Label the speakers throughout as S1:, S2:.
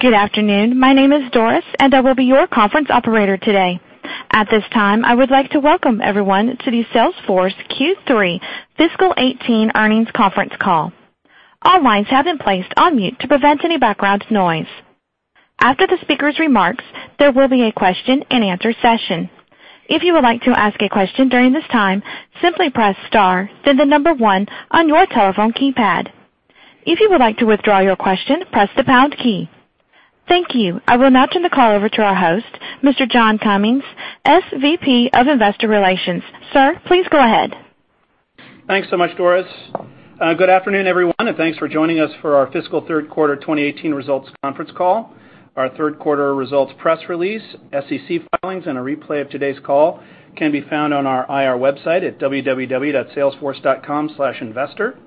S1: Good afternoon. My name is Doris, and I will be your conference operator today. At this time, I would like to welcome everyone to the Salesforce Q3 Fiscal 2018 earnings conference call. All lines have been placed on mute to prevent any background noise. After the speaker's remarks, there will be a question and answer session. If you would like to ask a question during this time, simply press star then the number one on your telephone keypad. If you would like to withdraw your question, press the pound key. Thank you. I will now turn the call over to our host, Mr. John Cummings, SVP of Investor Relations. Sir, please go ahead.
S2: Thanks so much, Doris. Good afternoon, everyone, and thanks for joining us for our fiscal third quarter 2018 results conference call. Our third quarter results press release, SEC filings, and a replay of today's call can be found on our IR website at www.salesforce.com/investor.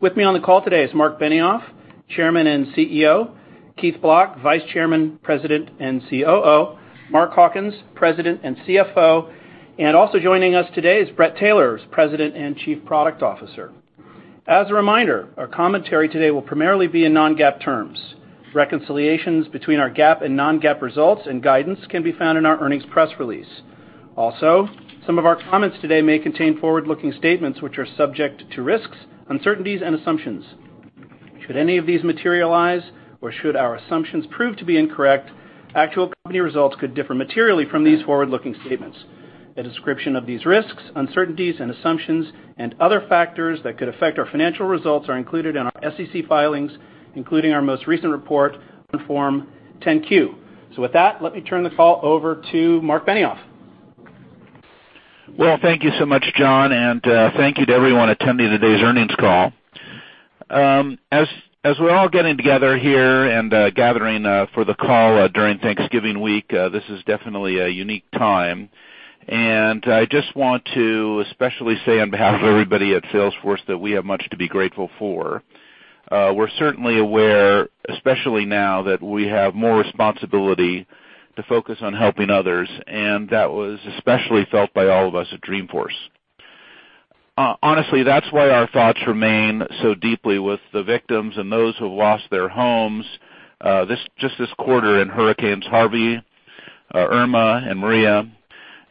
S2: With me on the call today is Marc Benioff, Chairman and CEO, Keith Block, Vice Chairman, President, and COO, Mark Hawkins, President and CFO, and also joining us today is Bret Taylor, President and Chief Product Officer. As a reminder, our commentary today will primarily be in non-GAAP terms. Reconciliations between our GAAP and non-GAAP results and guidance can be found in our earnings press release. Some of our comments today may contain forward-looking statements which are subject to risks, uncertainties, and assumptions. Should any of these materialize or should our assumptions prove to be incorrect, actual company results could differ materially from these forward-looking statements. A description of these risks, uncertainties, and assumptions and other factors that could affect our financial results are included in our SEC filings, including our most recent report on Form 10-Q. With that, let me turn the call over to Marc Benioff.
S3: Thank you so much, John, and thank you to everyone attending today's earnings call. As we're all getting together here and gathering for the call during Thanksgiving week, this is definitely a unique time. I just want to especially say on behalf of everybody at Salesforce that we have much to be grateful for. We're certainly aware, especially now, that we have more responsibility to focus on helping others, and that was especially felt by all of us at Dreamforce. Honestly, that's why our thoughts remain so deeply with the victims and those who have lost their homes, just this quarter in hurricanes Harvey, Irma, and Maria,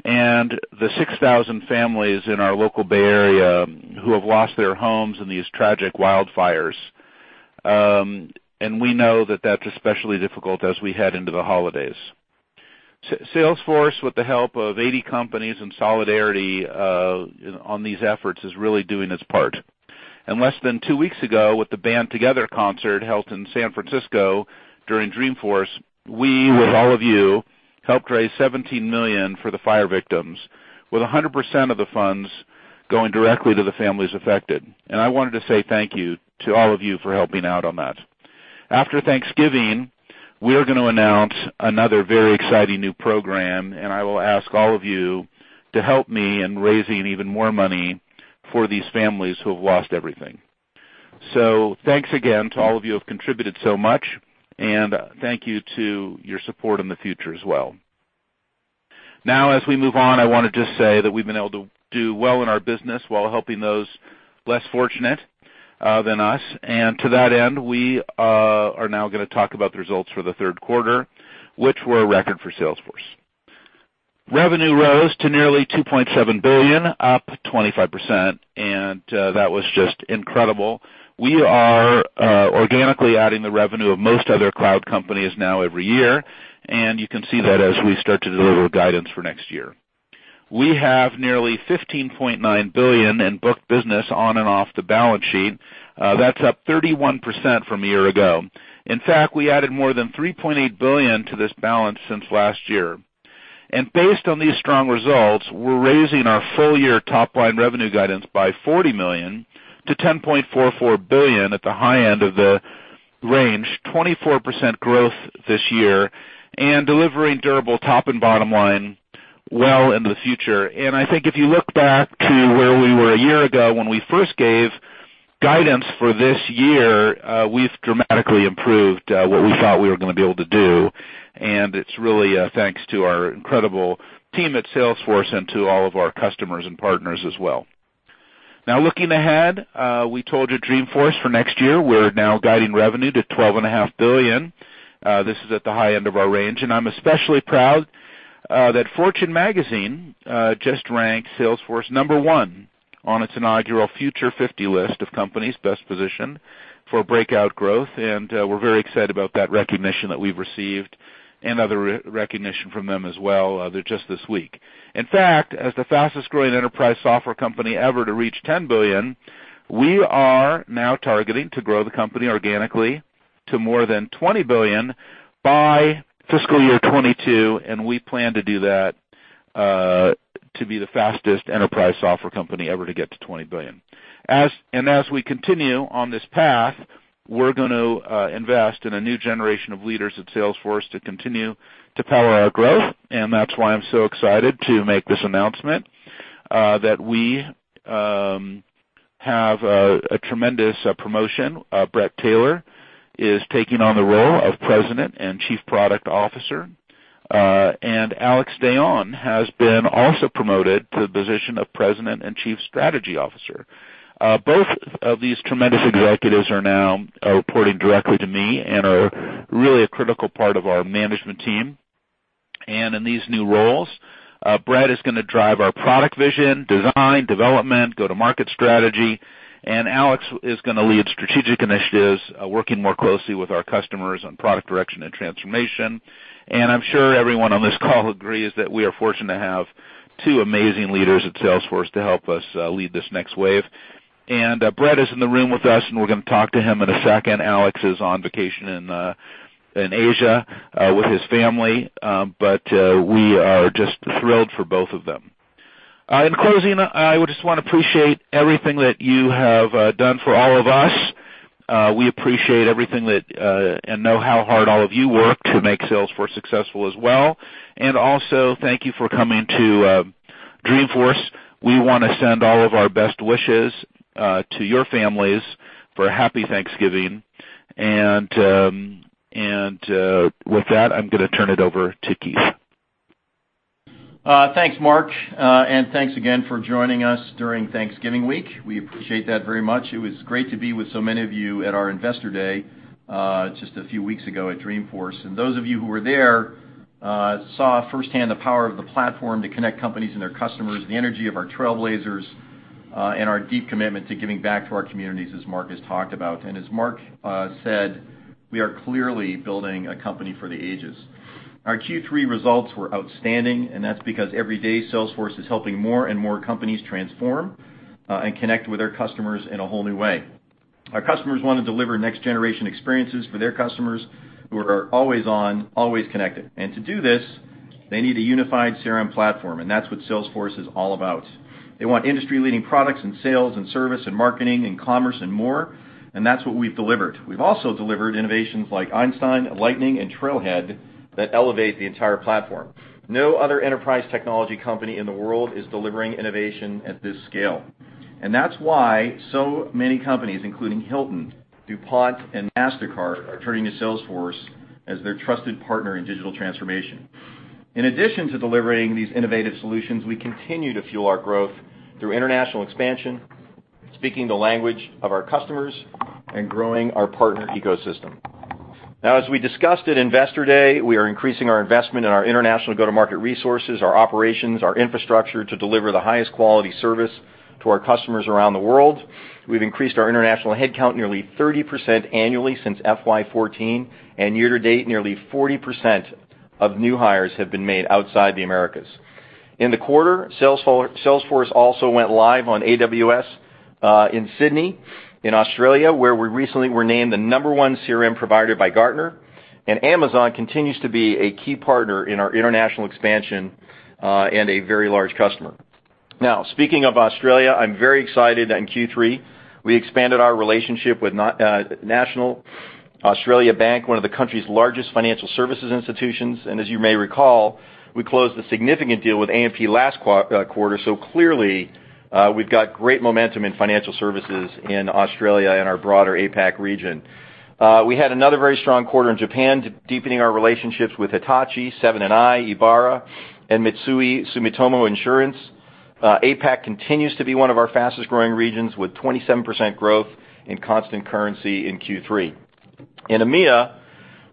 S3: and the 6,000 families in our local Bay Area who have lost their homes in these tragic wildfires. We know that that's especially difficult as we head into the holidays. Salesforce, with the help of 80 companies in solidarity on these efforts, is really doing its part. Less than two weeks ago, with the Band Together concert held in San Francisco during Dreamforce, we, with all of you, helped raise $17 million for the fire victims, with 100% of the funds going directly to the families affected. I wanted to say thank you to all of you for helping out on that. After Thanksgiving, we are going to announce another very exciting new program, I will ask all of you to help me in raising even more money for these families who have lost everything. Thanks again to all of you who have contributed so much, and thank you to your support in the future as well. As we move on, I want to just say that we've been able to do well in our business while helping those less fortunate than us. To that end, we are now going to talk about the results for the third quarter, which were a record for Salesforce. Revenue rose to nearly $2.7 billion, up 25%, That was just incredible. We are organically adding the revenue of most other cloud companies now every year, you can see that as we start to deliver guidance for next year. We have nearly $15.9 billion in booked business on and off the balance sheet. That's up 31% from a year ago. In fact, we added more than $3.8 billion to this balance since last year. Based on these strong results, we're raising our full-year top-line revenue guidance by $40 million to $10.44 billion at the high end of the range, 24% growth this year, delivering durable top and bottom line well into the future. I think if you look back to where we were a year ago when we first gave guidance for this year, we've dramatically improved what we thought we were going to be able to do, it's really thanks to our incredible team at Salesforce and to all of our customers and partners as well. Now looking ahead, we told you Dreamforce for next year, we're now guiding revenue to $12.5 billion. This is at the high end of our range. I'm especially proud that Fortune magazine just ranked Salesforce number 1 on its inaugural Future 50 list of companies best positioned for breakout growth, we're very excited about that recognition that we've received and other recognition from them as well just this week. In fact, as the fastest-growing enterprise software company ever to reach $10 billion, we are now targeting to grow the company organically to more than $20 billion by fiscal year 2022, we plan to do that to be the fastest enterprise software company ever to get to $20 billion. As we continue on this path, we're going to invest in a new generation of leaders at Salesforce to continue to power our growth, that's why I'm so excited to make this announcement, that we have a tremendous promotion. Bret Taylor is taking on the role of President and Chief Product Officer. Alex Dayon has been also promoted to the position of President and Chief Strategy Officer. Both of these tremendous executives are now reporting directly to me and are really a critical part of our management team. In these new roles, Bret is going to drive our product vision, design, development, go-to-market strategy, and Alex is going to lead strategic initiatives, working more closely with our customers on product direction and transformation. I'm sure everyone on this call agrees that we are fortunate to have two amazing leaders at Salesforce to help us lead this next wave. Bret is in the room with us, and we're going to talk to him in a second. Alex is on vacation in Asia with his family. We are just thrilled for both of them. In closing, I just want to appreciate everything that you have done for all of us. We appreciate everything and know how hard all of you work to make Salesforce successful as well. Also thank you for coming to Dreamforce. We want to send all of our best wishes to your families for a happy Thanksgiving. With that, I'm going to turn it over to Keith.
S4: Thanks, Marc. Thanks again for joining us during Thanksgiving week. We appreciate that very much. It was great to be with so many of you at our Investor Day just a few weeks ago at Dreamforce. Those of you who were there saw firsthand the power of the platform to connect companies and their customers, the energy of our trailblazers, and our deep commitment to giving back to our communities, as Marc has talked about. As Marc said, we are clearly building a company for the ages. Our Q3 results were outstanding, and that's because every day, Salesforce is helping more and more companies transform and connect with their customers in a whole new way. Our customers want to deliver next-generation experiences for their customers who are always on, always connected. To do this, they need a unified CRM platform, and that's what Salesforce is all about. They want industry-leading products in sales and service and marketing and commerce and more, and that's what we've delivered. We've also delivered innovations like Einstein, Lightning, and Trailhead that elevate the entire platform. No other enterprise technology company in the world is delivering innovation at this scale, and that's why so many companies, including Hilton, DuPont, and Mastercard, are turning to Salesforce as their trusted partner in digital transformation. In addition to delivering these innovative solutions, we continue to fuel our growth through international expansion, speaking the language of our customers, and growing our partner ecosystem. Now, as we discussed at Investor Day, we are increasing our investment in our international go-to-market resources, our operations, our infrastructure to deliver the highest quality service to our customers around the world. We've increased our international headcount nearly 30% annually since FY 2014, and year to date, nearly 40% of new hires have been made outside the Americas. In the quarter, Salesforce also went live on AWS in Sydney, in Australia, where we recently were named the number 1 CRM provider by Gartner, Amazon continues to be a key partner in our international expansion and a very large customer. Speaking of Australia, I'm very excited. In Q3, we expanded our relationship with National Australia Bank, one of the country's largest financial services institutions. As you may recall, we closed a significant deal with AMP last quarter. Clearly, we've got great momentum in financial services in Australia and our broader APAC region. We had another very strong quarter in Japan, deepening our relationships with Hitachi, Seven & i, Ebara, and Mitsui Sumitomo Insurance. APAC continues to be one of our fastest-growing regions, with 27% growth in constant currency in Q3. In EMEA,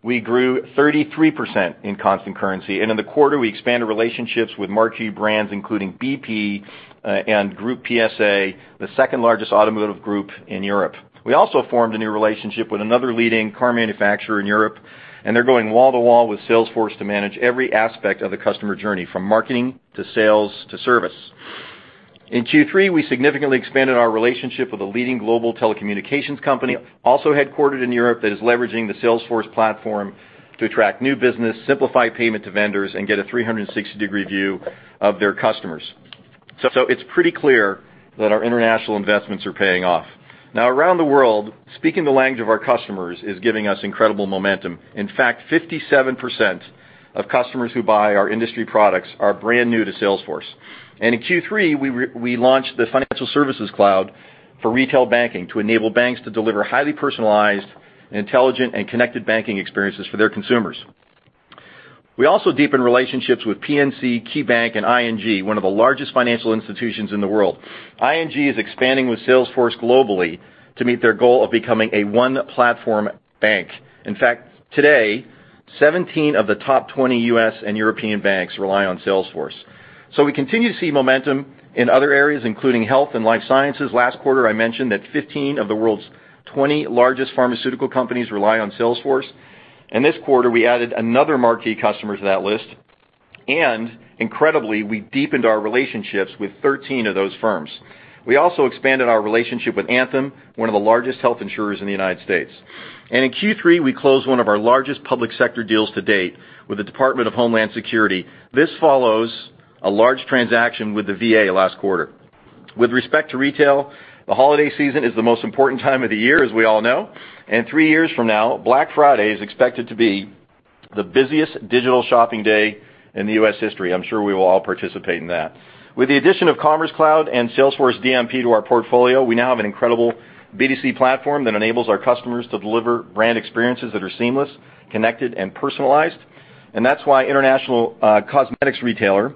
S4: we grew 33% in constant currency, in the quarter, we expanded relationships with marquee brands, including BP and Groupe PSA, the second-largest automotive group in Europe. We also formed a new relationship with another leading car manufacturer in Europe, they're going wall to wall with Salesforce to manage every aspect of the customer journey, from marketing to sales to service. In Q3, we significantly expanded our relationship with a leading global telecommunications company, also headquartered in Europe, that is leveraging the Salesforce Platform to attract new business, simplify payment to vendors, and get a 360-degree view of their customers. It's pretty clear that our international investments are paying off. Around the world, speaking the language of our customers is giving us incredible momentum. In fact, 57% of customers who buy our industry products are brand new to Salesforce. In Q3, we launched the Financial Services Cloud for retail banking to enable banks to deliver highly personalized, intelligent, and connected banking experiences for their consumers. We also deepened relationships with PNC, KeyBank, and ING, one of the largest financial institutions in the world. ING is expanding with Salesforce globally to meet their goal of becoming a one-platform bank. In fact, today, 17 of the top 20 U.S. and European banks rely on Salesforce. We continue to see momentum in other areas, including health and life sciences. Last quarter, I mentioned that 15 of the world's 20 largest pharmaceutical companies rely on Salesforce, this quarter, we added another marquee customer to that list. Incredibly, we deepened our relationships with 13 of those firms. We also expanded our relationship with Anthem, one of the largest health insurers in the United States. In Q3, we closed one of our largest public sector deals to date with the Department of Homeland Security. This follows a large transaction with the VA last quarter. With respect to retail, the holiday season is the most important time of the year, as we all know, three years from now, Black Friday is expected to be the busiest digital shopping day In the U.S. history. I'm sure we will all participate in that. With the addition of Commerce Cloud and Salesforce DMP to our portfolio, we now have an incredible B2C platform that enables our customers to deliver brand experiences that are seamless, connected, and personalized. That's why international cosmetics retailer,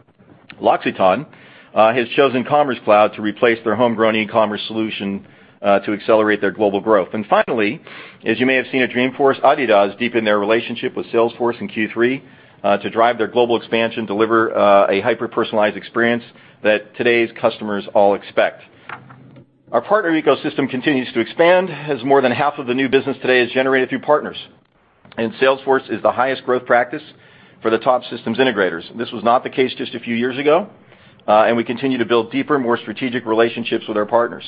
S4: L'Occitane, has chosen Commerce Cloud to replace their homegrown e-commerce solution, to accelerate their global growth. Finally, as you may have seen at Dreamforce, Adidas deepened their relationship with Salesforce in Q3 to drive their global expansion, deliver a hyper-personalized experience that today's customers all expect. Our partner ecosystem continues to expand, as more than half of the new business today is generated through partners. Salesforce is the highest growth practice for the top systems integrators. This was not the case just a few years ago, and we continue to build deeper, more strategic relationships with our partners.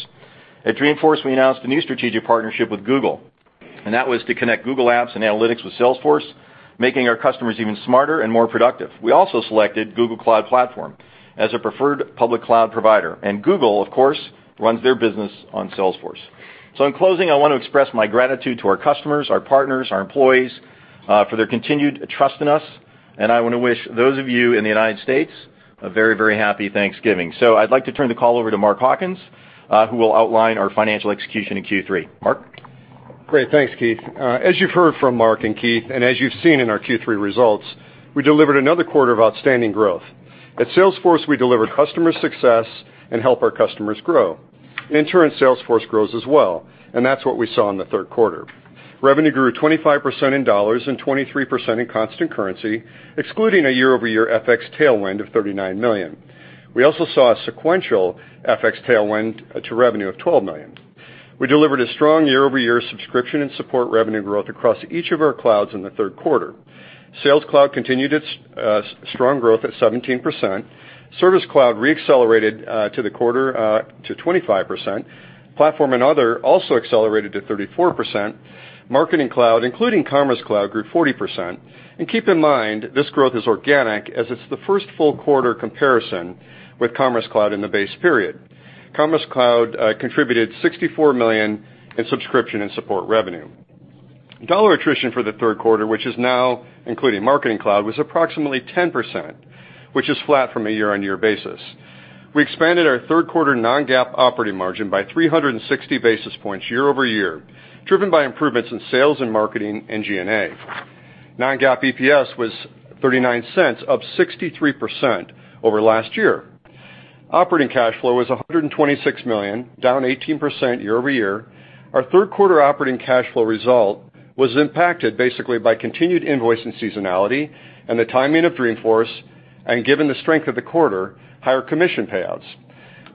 S4: At Dreamforce, we announced a new strategic partnership with Google, and that was to connect Google Apps and Analytics with Salesforce, making our customers even smarter and more productive. We also selected Google Cloud Platform as a preferred public cloud provider. Google, of course, runs their business on Salesforce. In closing, I want to express my gratitude to our customers, our partners, our employees, for their continued trust in us. I want to wish those of you in the United States a very happy Thanksgiving. I'd like to turn the call over to Mark Hawkins, who will outline our financial execution in Q3. Mark?
S5: Great. Thanks, Keith. As you've heard from Mark and Keith, and as you've seen in our Q3 results, we delivered another quarter of outstanding growth. At Salesforce, we deliver customer success and help our customers grow. In turn, Salesforce grows as well, and that's what we saw in the third quarter. Revenue grew 25% in $ and 23% in constant currency, excluding a year-over-year FX tailwind of $39 million. We also saw a sequential FX tailwind to revenue of $12 million. We delivered a strong year-over-year subscription and support revenue growth across each of our clouds in the third quarter. Sales Cloud continued its strong growth at 17%. Service Cloud re-accelerated to the quarter to 25%. Platform and other also accelerated to 34%. Marketing Cloud, including Commerce Cloud, grew 40%. Keep in mind, this growth is organic, as it's the first full quarter comparison with Commerce Cloud in the base period. Commerce Cloud contributed $64 million in subscription and support revenue. Dollar attrition for the third quarter, which is now including Marketing Cloud, was approximately 10%, which is flat from a year-on-year basis. We expanded our third quarter non-GAAP operating margin by 360 basis points year-over-year, driven by improvements in sales and marketing and G&A. Non-GAAP EPS was $0.39, up 63% over last year. Operating cash flow was $126 million, down 18% year-over-year. Our third quarter operating cash flow result was impacted basically by continued invoice and seasonality and the timing of Dreamforce, and given the strength of the quarter, higher commission payouts.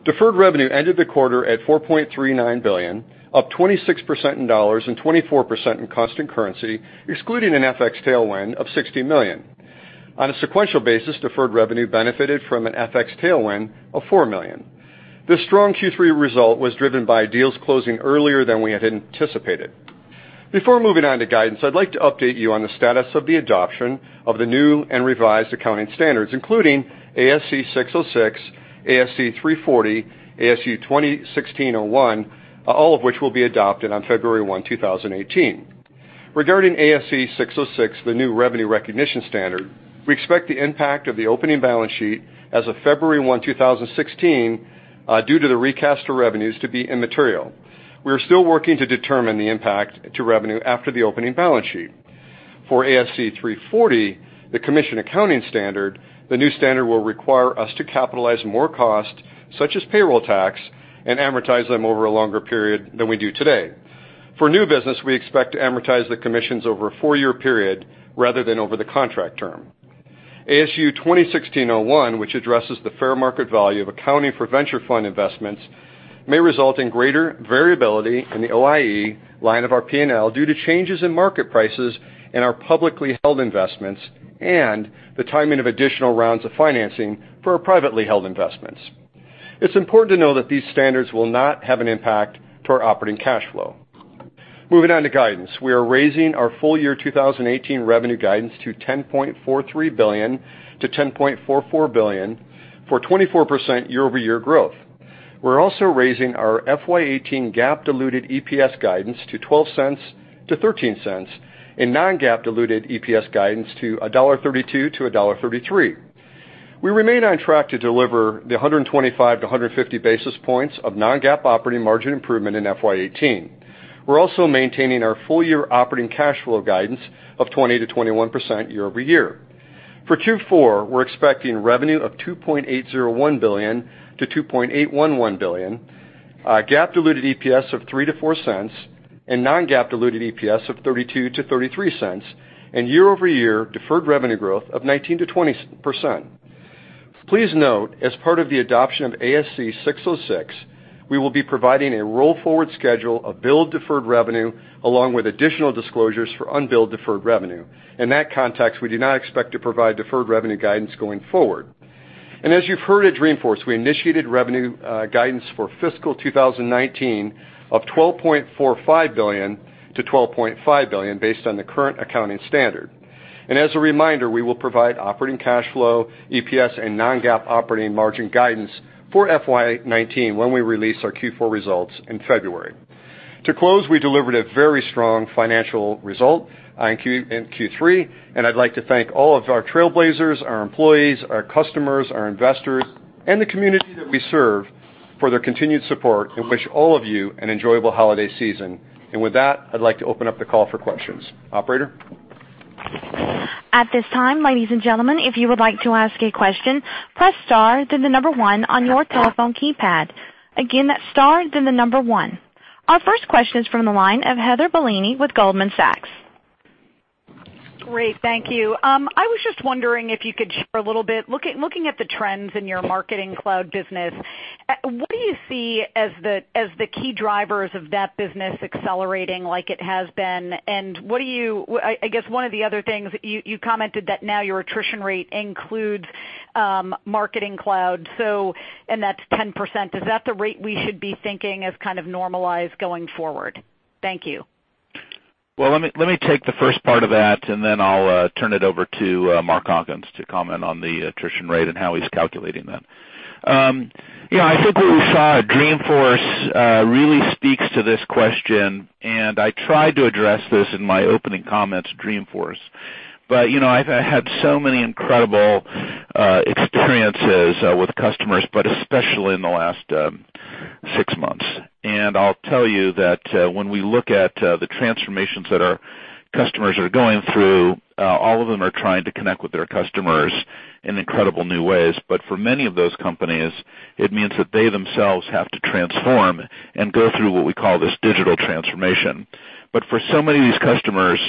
S5: Deferred revenue ended the quarter at $4.39 billion, up 26% in dollars and 24% in constant currency, excluding an FX tailwind of $60 million. On a sequential basis, deferred revenue benefited from an FX tailwind of $4 million. This strong Q3 result was driven by deals closing earlier than we had anticipated. Before moving on to guidance, I'd like to update you on the status of the adoption of the new and revised accounting standards, including ASC 606, ASC 340, ASU 2016-01, all of which will be adopted on February 1, 2018. Regarding ASC 606, the new revenue recognition standard, we expect the impact of the opening balance sheet as of February 1, 2016, due to the recast of revenues, to be immaterial. We are still working to determine the impact to revenue after the opening balance sheet. For ASC 340, the commission accounting standard, the new standard will require us to capitalize more cost, such as payroll tax, and amortize them over a longer period than we do today. For new business, we expect to amortize the commissions over a four-year period rather than over the contract term. ASU 2016-01, which addresses the fair market value of accounting for venture fund investments, may result in greater variability in the OIE line of our P&L due to changes in market prices in our publicly held investments and the timing of additional rounds of financing for our privately held investments. It's important to know that these standards will not have an impact to our operating cash flow. Moving on to guidance. We are raising our full year 2018 revenue guidance to $10.43 billion-$10.44 billion for 24% year-over-year growth. We're also raising our FY 2018 GAAP diluted EPS guidance to $0.12-$0.13 and non-GAAP diluted EPS guidance to $1.32-$1.33. We remain on track to deliver the 125-150 basis points of non-GAAP operating margin improvement in FY 2018. We're also maintaining our full-year operating cash flow guidance of 20%-21% year-over-year. For Q4, we're expecting revenue of $2.801 billion-$2.811 billion, GAAP diluted EPS of $0.03-$0.04, and non-GAAP diluted EPS of $0.32-$0.33, and year-over-year deferred revenue growth of 19%-20%. Please note, as part of the adoption of ASC 606, we will be providing a roll forward schedule of billed deferred revenue, along with additional disclosures for unbilled deferred revenue. In that context, we do not expect to provide deferred revenue guidance going forward. As you've heard at Dreamforce, we initiated revenue guidance for fiscal 2019 of $12.45 billion-$12.5 billion, based on the current accounting standard. As a reminder, we will provide operating cash flow, EPS, and non-GAAP operating margin guidance for FY 2019 when we release our Q4 results in February.
S3: To close, we delivered a very strong financial result in Q3. I'd like to thank all of our trailblazers, our employees, our customers, our investors, and the community that we serve for their continued support and wish all of you an enjoyable holiday season. With that, I'd like to open up the call for questions. Operator?
S1: At this time, ladies and gentlemen, if you would like to ask a question, press star then the number 1 on your telephone keypad. Again, that's star then the number 1. Our first question is from the line of Heather Bellini with Goldman Sachs.
S6: Great. Thank you. I was just wondering if you could share a little bit, looking at the trends in your Marketing Cloud business, what do you see as the key drivers of that business accelerating like it has been? I guess one of the other things, you commented that now your attrition rate includes Marketing Cloud, and that's 10%. Is that the rate we should be thinking as kind of normalized going forward? Thank you.
S3: Well, let me take the first part of that, then I'll turn it over to Mark Hawkins to comment on the attrition rate and how he's calculating that. I think what we saw at Dreamforce really speaks to this question. I tried to address this in my opening comments at Dreamforce. I had so many incredible experiences with customers, but especially in the last six months. I'll tell you that when we look at the transformations that our customers are going through, all of them are trying to connect with their customers in incredible new ways. For many of those companies, it means that they themselves have to transform and go through what we call this digital transformation. For so many of these customers,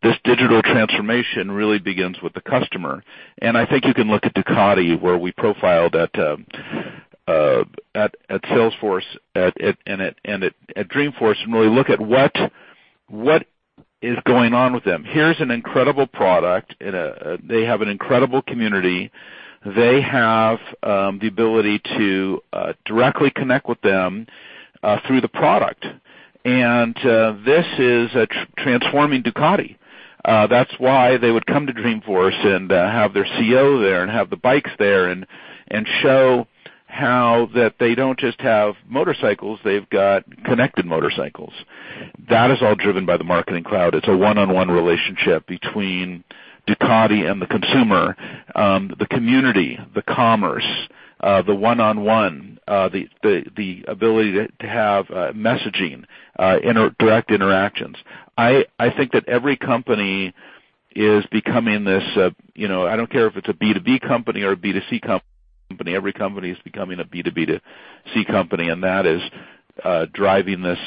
S3: this digital transformation really begins with the customer. I think you can look at Ducati, where we profiled at Salesforce and at Dreamforce, and really look at what is going on with them. Here's an incredible product. They have an incredible community. They have the ability to directly connect with them through the product. This is transforming Ducati. That's why they would come to Dreamforce and have their CEO there and have the bikes there and show how that they don't just have motorcycles, they've got connected motorcycles. That is all driven by the Marketing Cloud. It's a one-on-one relationship between Ducati and the consumer, the community, the commerce, the one-on-one, the ability to have messaging, direct interactions. I think that every company is becoming this, I don't care if it's a B2B company or a B2C company, every company is becoming a B2B2C company, and that is driving this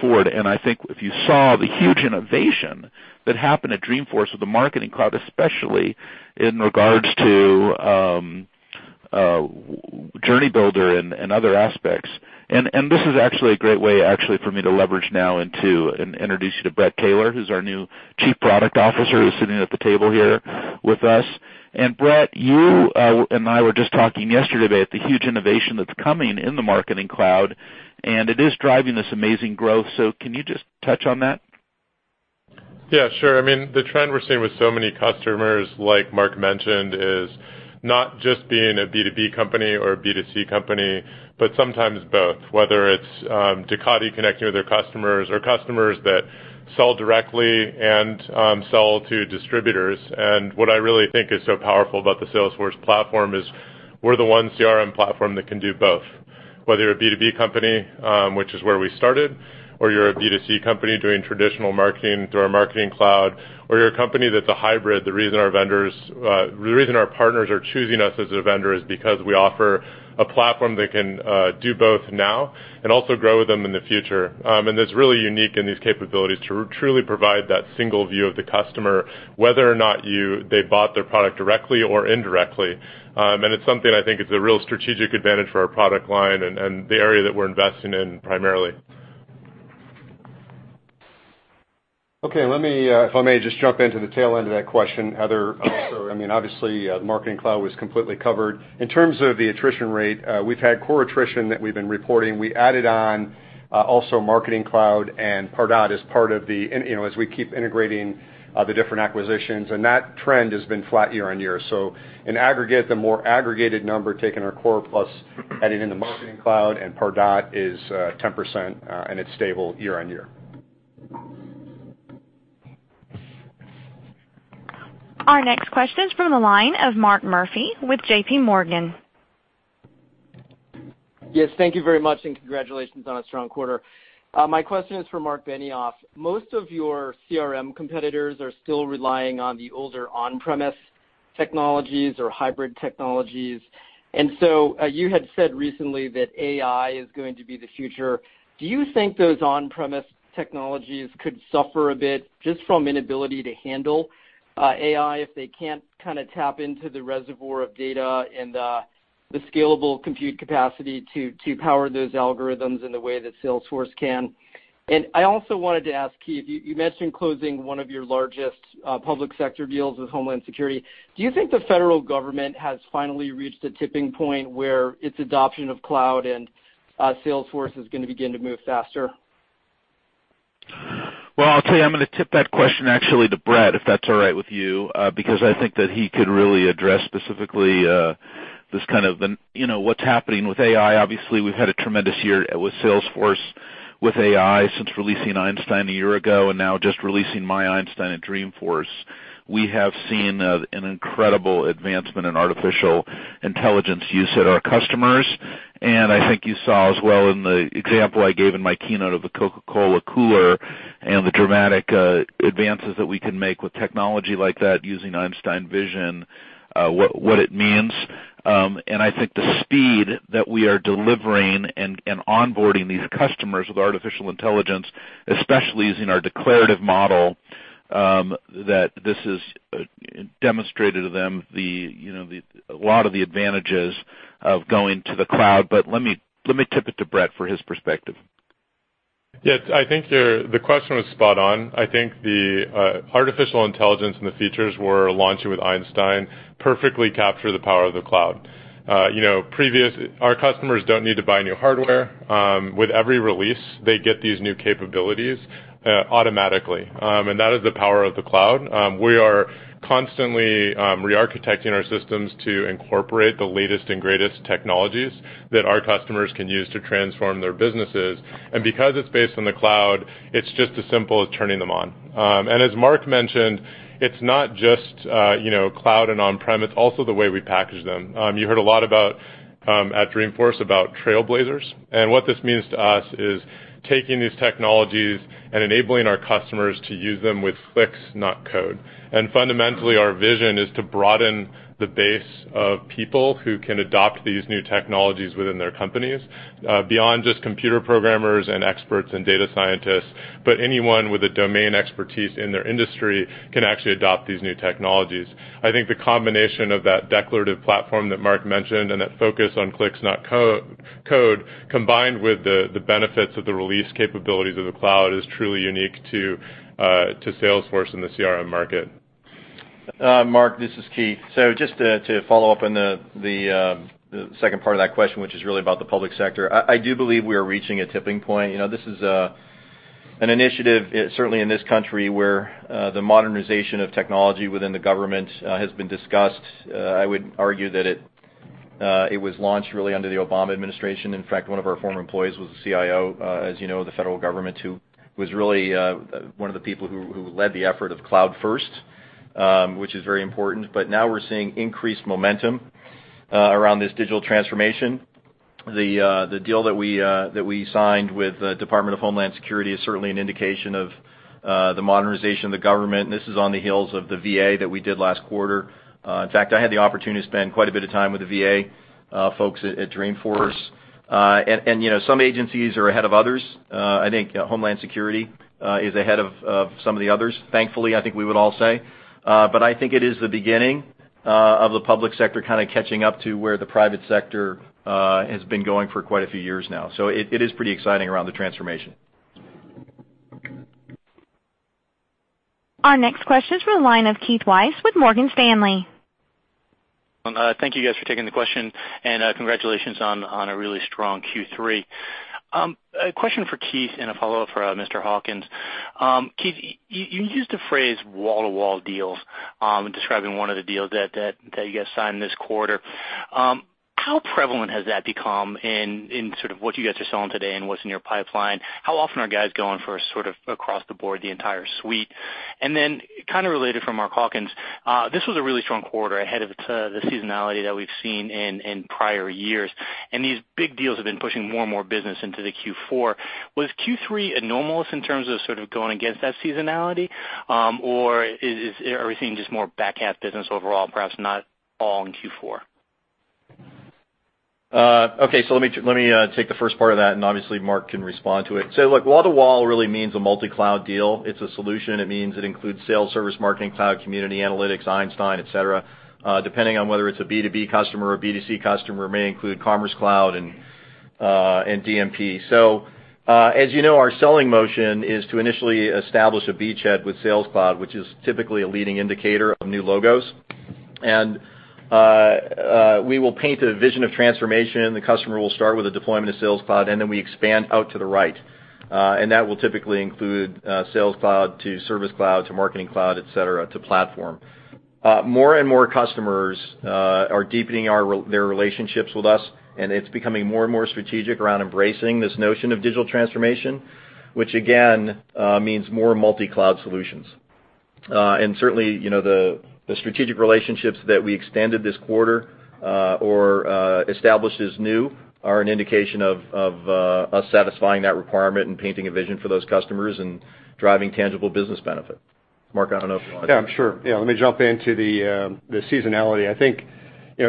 S3: forward. I think if you saw the huge innovation that happened at Dreamforce with the Marketing Cloud, especially in regards to Journey Builder and other aspects. This is actually a great way for me to leverage now and to introduce you to Bret Taylor, who's our new Chief Product Officer, who's sitting at the table here with us. Bret, you and I were just talking yesterday about the huge innovation that's coming in the Marketing Cloud, and it is driving this amazing growth. Can you just touch on that?
S7: Yeah, sure. I mean, the trend we're seeing with so many customers, like Mark mentioned, is not just being a B2B company or a B2C company, but sometimes both, whether it's Ducati connecting with their customers or customers that sell directly and sell to distributors. What I really think is so powerful about the Salesforce Platform is we're the one CRM platform that can do both, whether you're a B2B company, which is where we started, or you're a B2C company doing traditional marketing through our Marketing Cloud, or you're a company that's a hybrid. The reason our partners are choosing us as a vendor is because we offer a platform that can do both now and also grow with them in the future. That's really unique in these capabilities to truly provide that single view of the customer, whether or not they bought their product directly or indirectly. It's something I think is a real strategic advantage for our product line and the area that we're investing in primarily.
S5: Let me, if I may, just jump into the tail end of that question, Heather. Obviously, Marketing Cloud was completely covered. In terms of the attrition rate, we've had core attrition that we've been reporting. We added on also Marketing Cloud and Pardot as we keep integrating the different acquisitions, and that trend has been flat year-on-year. In aggregate, the more aggregated number, taking our core plus adding in the Marketing Cloud and Pardot is 10%, and it's stable year-on-year.
S1: Our next question is from the line of Mark Murphy with J.P. Morgan.
S8: Yes, thank you very much, and congratulations on a strong quarter. My question is for Marc Benioff. Most of your CRM competitors are still relying on the older on-premise technologies or hybrid technologies. You had said recently that AI is going to be the future. Do you think those on-premise technologies could suffer a bit just from inability to handle AI if they can't tap into the reservoir of data and the scalable compute capacity to power those algorithms in the way that Salesforce can? I also wanted to ask, Keith, you mentioned closing one of your largest public sector deals with Homeland Security. Do you think the federal government has finally reached a tipping point where its adoption of cloud and Salesforce is going to begin to move faster?
S3: Well, I'll tell you, I'm going to tip that question actually to Bret, if that's all right with you, because I think that he could really address specifically what's happening with AI. Obviously, we've had a tremendous year with Salesforce, with AI, since releasing Einstein a year ago, and now just releasing myEinstein at Dreamforce. We have seen an incredible advancement in artificial intelligence use at our customers. I think you saw as well in the example I gave in my keynote of the Coca-Cola cooler and the dramatic advances that we can make with technology like that using Einstein Vision, what it means. I think the speed that we are delivering and onboarding these customers with artificial intelligence, especially using our declarative model, that this has demonstrated to them a lot of the advantages of going to the cloud. let me tip it to Bret for his perspective.
S7: Yes, I think the question was spot on. I think the artificial intelligence and the features we're launching with Einstein perfectly capture the power of the cloud. Our customers don't need to buy new hardware. With every release, they get these new capabilities automatically, and that is the power of the cloud. We are constantly re-architecting our systems to incorporate the latest and greatest technologies that our customers can use to transform their businesses. Because it's based on the cloud, it's just as simple as turning them on. As Mark mentioned, it's not just cloud and on-prem, it's also the way we package them. You heard a lot at Dreamforce about Trailblazers, and what this means to us is taking these technologies and enabling our customers to use them with clicks, not code. Fundamentally, our vision is to broaden the base of people who can adopt these new technologies within their companies, beyond just computer programmers and experts and data scientists, but anyone with a domain expertise in their industry can actually adopt these new technologies. I think the combination of that declarative platform that Mark mentioned and that focus on clicks, not code, combined with the benefits of the release capabilities of the cloud, is truly unique to Salesforce in the CRM market.
S4: Mark, this is Keith. Just to follow up on the second part of that question, which is really about the public sector. I do believe we are reaching a tipping point. This is an initiative, certainly in this country, where the modernization of technology within the government has been discussed. I would argue that it was launched really under the Obama administration. In fact, one of our former employees was the CIO, as you know, of the federal government, who was really one of the people who led the effort of Cloud First, which is very important. Now we're seeing increased momentum around this digital transformation. The deal that we signed with the Department of Homeland Security is certainly an indication of the modernization of the government, and this is on the heels of the VA that we did last quarter. I had the opportunity to spend quite a bit of time with the VA folks at Dreamforce. Some agencies are ahead of others. I think Department of Homeland Security is ahead of some of the others, thankfully, I think we would all say. I think it is the beginning of the public sector kind of catching up to where the private sector has been going for quite a few years now. It is pretty exciting around the transformation.
S1: Our next question is from the line of Keith Weiss with Morgan Stanley.
S9: Thank you guys for taking the question, and congratulations on a really strong Q3. A question for Keith and a follow-up for Mr. Hawkins. Keith, you used the phrase wall-to-wall deals in describing one of the deals that you guys signed this quarter. How prevalent has that become in sort of what you guys are selling today and what's in your pipeline? How often are guys going for sort of across the board, the entire suite? Then kind of related for Mark Hawkins, this was a really strong quarter ahead of the seasonality that we've seen in prior years, and these big deals have been pushing more and more business into the Q4. Was Q3 anomalous in terms of sort of going against that seasonality? Are we seeing just more back half business overall, perhaps not all in Q4?
S4: Let me take the first part of that and obviously Mark can respond to it. Look, wall-to-wall really means a multi-cloud deal. It's a solution. It means it includes Sales Cloud, Service Cloud, Marketing Cloud, community analytics, Einstein, et cetera. Depending on whether it's a B2B customer or B2C customer, it may include Commerce Cloud and DMP. As you know, our selling motion is to initially establish a beachhead with Sales Cloud, which is typically a leading indicator of new logos. We will paint a vision of transformation. The customer will start with the deployment of Sales Cloud, then we expand out to the right. That will typically include Sales Cloud to Service Cloud to Marketing Cloud, et cetera, to platform. More and more customers are deepening their relationships with us, and it's becoming more and more strategic around embracing this notion of digital transformation, which again, means more multi-cloud solutions. Certainly, the strategic relationships that we expanded this quarter or established as new are an indication of us satisfying that requirement and painting a vision for those customers and driving tangible business benefit. Mark, I don't know if you want to-
S5: Yeah, sure. Let me jump into the seasonality. I think,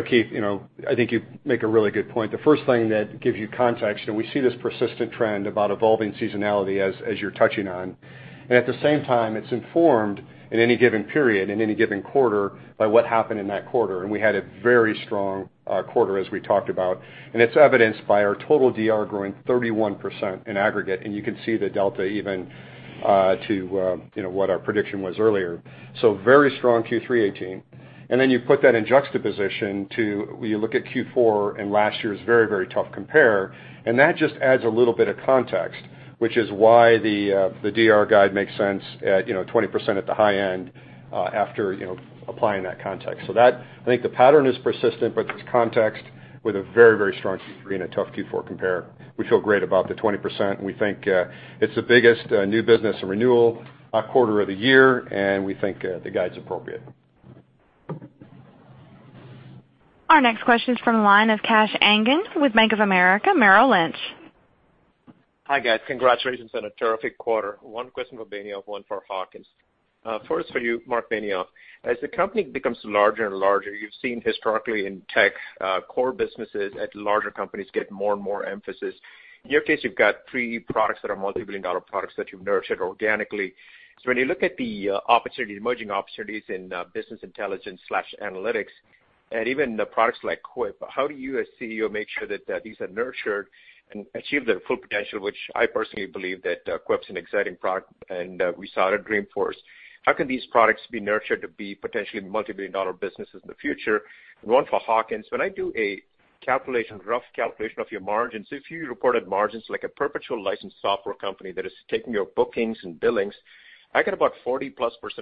S5: Keith, you make a really good point. The first thing that gives you context, and we see this persistent trend about evolving seasonality as you're touching on. At the same time, it's informed at any given period, in any given quarter, by what happened in that quarter. We had a very strong quarter, as we talked about. It's evidenced by our total DR growing 31% in aggregate. You can see the delta even to what our prediction was earlier. Very strong Q3 2018. Then you put that in juxtaposition to, you look at Q4 and last year's very, very tough compare. That just adds a little bit of context, which is why the DR guide makes sense at 20% at the high end after applying that context. I think the pattern is persistent, but the context With a very strong Q3 and a tough Q4 compare. We feel great about the 20%. We think it's the biggest new business and renewal quarter of the year, and we think the guide's appropriate.
S1: Our next question is from the line of Kash Rangan with Bank of America Merrill Lynch.
S10: Hi, guys. Congratulations on a terrific quarter. One question for Benioff, one for Hawkins. First for you, Marc Benioff. As the company becomes larger and larger, you've seen historically in tech, core businesses at larger companies get more and more emphasis. In your case, you've got three products that are multibillion-dollar products that you've nurtured organically. When you look at the emerging opportunities in business intelligence/analytics, and even the products like Quip, how do you as CEO make sure that these are nurtured and achieve their full potential, which I personally believe that Quip's an exciting product, and we saw it at Dreamforce. How can these products be nurtured to be potentially multibillion-dollar businesses in the future? One for Hawkins. When I do a rough calculation of your margins, if you reported margins like a perpetual licensed software company that is taking your bookings and billings, I get about 40+%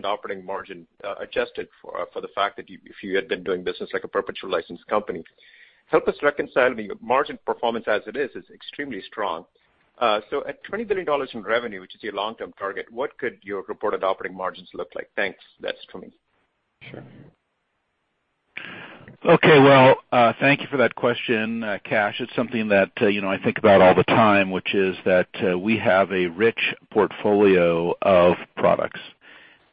S10: operating margin, adjusted for the fact that if you had been doing business like a perpetual licensed company. Help us reconcile. Your margin performance as it is extremely strong. At $20 billion in revenue, which is your long-term target, what could your reported operating margins look like? Thanks. That's for me.
S5: Sure.
S3: Okay. Well, thank you for that question, Kash. It's something that I think about all the time, which is that we have a rich portfolio of products.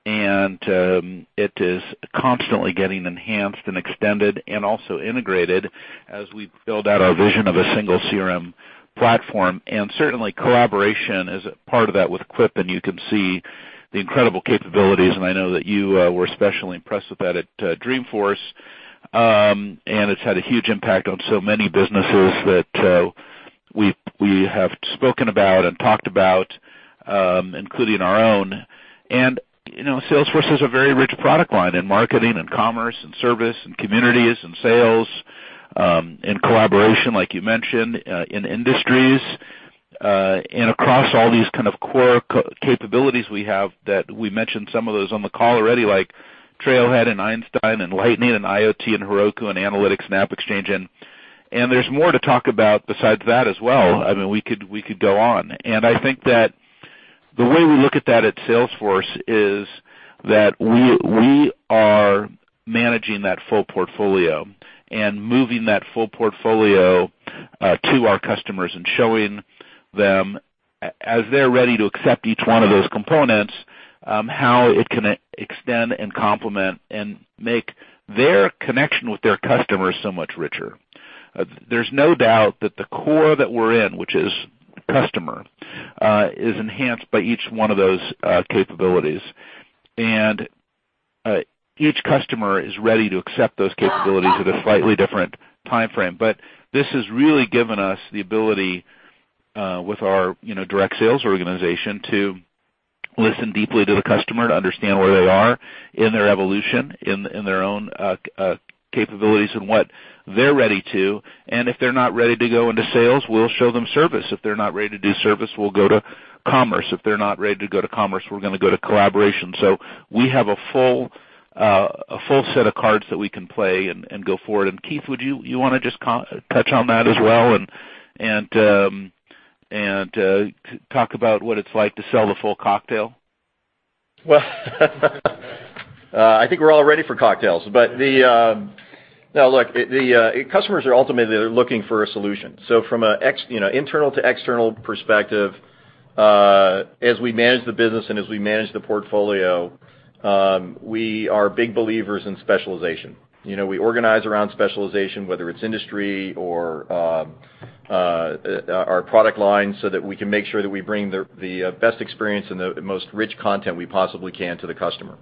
S3: It is constantly getting enhanced and extended and also integrated as we build out our vision of a single CRM platform. Certainly, collaboration is a part of that with Quip, and you can see the incredible capabilities, and I know that you were specially impressed with that at Dreamforce. It's had a huge impact on so many businesses that we have spoken about and talked about, including our own. Salesforce is a very rich product line in marketing, in Commerce, in Service, in communities, in Sales, in collaboration, like you mentioned, in industries, across all these kind of core capabilities we have that we mentioned some of those on the call already, like Trailhead and Einstein and Lightning and IoT and Heroku and analytics and AppExchange. There's more to talk about besides that as well. We could go on. I think that the way we look at that at Salesforce is that we are managing that full portfolio and moving that full portfolio to our customers and showing them, as they're ready to accept each one of those components, how it can extend and complement and make their connection with their customers so much richer. There's no doubt that the core that we're in, which is customer, is enhanced by each one of those capabilities. Each customer is ready to accept those capabilities at a slightly different timeframe. This has really given us the ability with our direct sales organization to listen deeply to the customer, to understand where they are in their evolution, in their own capabilities and what they're ready to. If they're not ready to go into Sales, we'll show them Service. If they're not ready to do Service, we'll go to Commerce. If they're not ready to go to Commerce, we're going to go to collaboration. We have a full set of cards that we can play and go forward. Keith, would you want to just touch on that as well and talk about what it's like to sell the full cocktail?
S4: Well, I think we're all ready for cocktails. Look, customers are ultimately there looking for a solution. From an internal to external perspective, as we manage the business and as we manage the portfolio, we are big believers in specialization. We organize around specialization, whether it's industry or our product line, so that we can make sure that we bring the best experience and the most rich content we possibly can to the customer.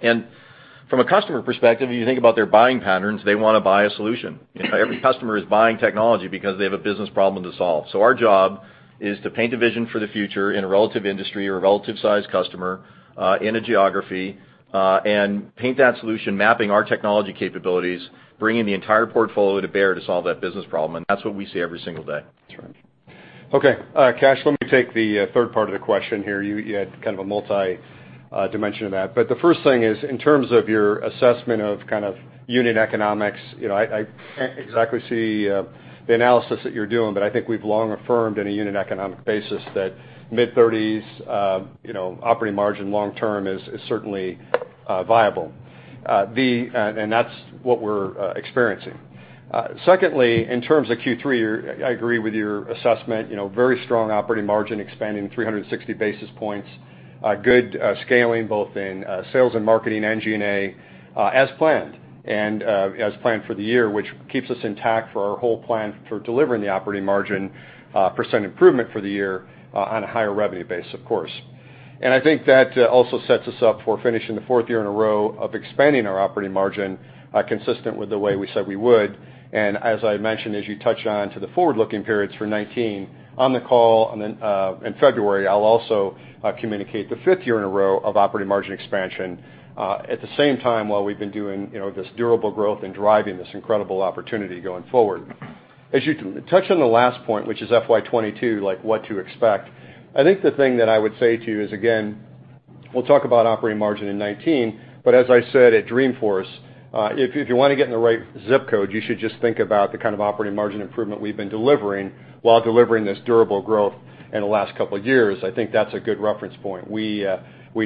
S4: From a customer perspective, if you think about their buying patterns, they want to buy a solution. Every customer is buying technology because they have a business problem to solve. Our job is to paint a vision for the future in a relative industry or a relative size customer in a geography, and paint that solution, mapping our technology capabilities, bringing the entire portfolio to bear to solve that business problem. That's what we see every single day.
S3: That's right.
S5: Okay. Kash, let me take the third part of the question here. You had kind of a multi-dimension of that. The first thing is, in terms of your assessment of kind of unit economics, I can't exactly see the analysis that you're doing, but I think we've long affirmed in a unit economic basis that mid-30s operating margin long term is certainly viable. That's what we're experiencing. Secondly, in terms of Q3, I agree with your assessment. Very strong operating margin, expanding 360 basis points. Good scaling, both in sales and marketing, G&A, as planned. As planned for the year, which keeps us intact for our whole plan for delivering the operating margin % improvement for the year on a higher revenue base, of course. I think that also sets us up for finishing the fourth year in a row of expanding our operating margin, consistent with the way we said we would. As I mentioned, as you touched on to the forward-looking periods for 2019, on the call in February, I'll also communicate the fifth year in a row of operating margin expansion. At the same time, while we've been doing this durable growth and driving this incredible opportunity going forward. As you touched on the last point, which is FY 2022, like what to expect, I think the thing that I would say to you is, again. We'll talk about operating margin in 2019, as I said at Dreamforce, if you want to get in the right zip code, you should just think about the kind of operating margin improvement we've been delivering while delivering this durable growth in the last couple of years. I think that's a good reference point. We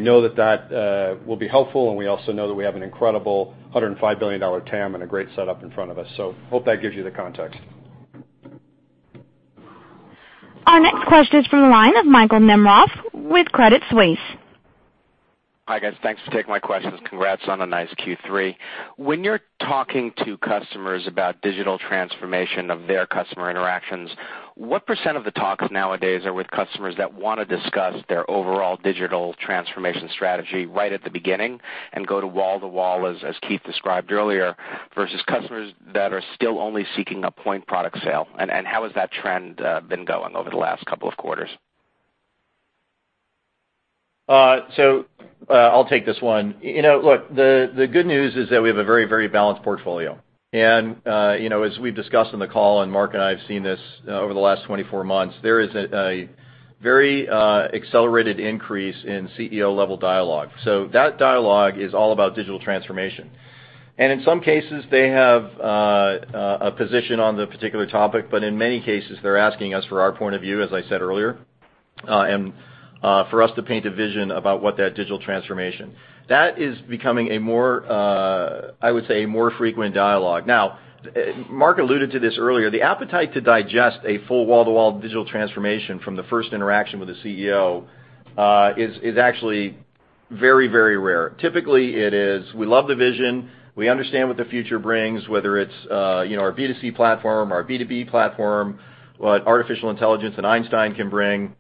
S5: know that will be helpful, and we also know that we have an incredible $105 billion TAM and a great setup in front of us. Hope that gives you the context.
S1: Our next question is from the line of Michael Nemeroff with Credit Suisse.
S11: Hi, guys. Thanks for taking my questions. Congrats on a nice Q3. When you're talking to customers about digital transformation of their customer interactions, what % of the talks nowadays are with customers that want to discuss their overall digital transformation strategy right at the beginning and go to wall-to-wall, as Keith described earlier, versus customers that are still only seeking a point product sale? How has that trend been going over the last couple of quarters?
S4: I'll take this one. Look, the good news is that we have a very balanced portfolio. As we've discussed on the call, Mark and I have seen this over the last 24 months, there is a very accelerated increase in CEO-level dialogue. That dialogue is all about digital transformation. In some cases, they have a position on the particular topic, but in many cases, they're asking us for our point of view, as I said earlier, and for us to paint a vision about what that digital transformation. That is becoming, I would say, a more frequent dialogue. Now, Mark alluded to this earlier. The appetite to digest a full wall-to-wall digital transformation from the first interaction with a CEO is actually very rare. Typically, it is, "We love the vision. We understand what the future brings, whether it's our B2C platform, our B2B platform, what artificial intelligence and Einstein can bring.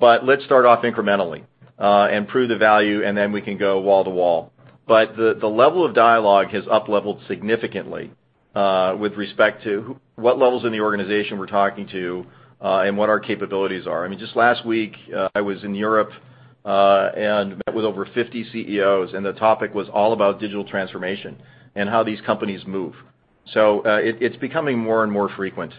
S4: Let's start off incrementally, and prove the value, and then we can go wall to wall." The level of dialogue has up-leveled significantly with respect to what levels in the organization we're talking to and what our capabilities are. Just last week, I was in Europe and met with over 50 CEOs, and the topic was all about digital transformation and how these companies move. It's becoming more and more frequent.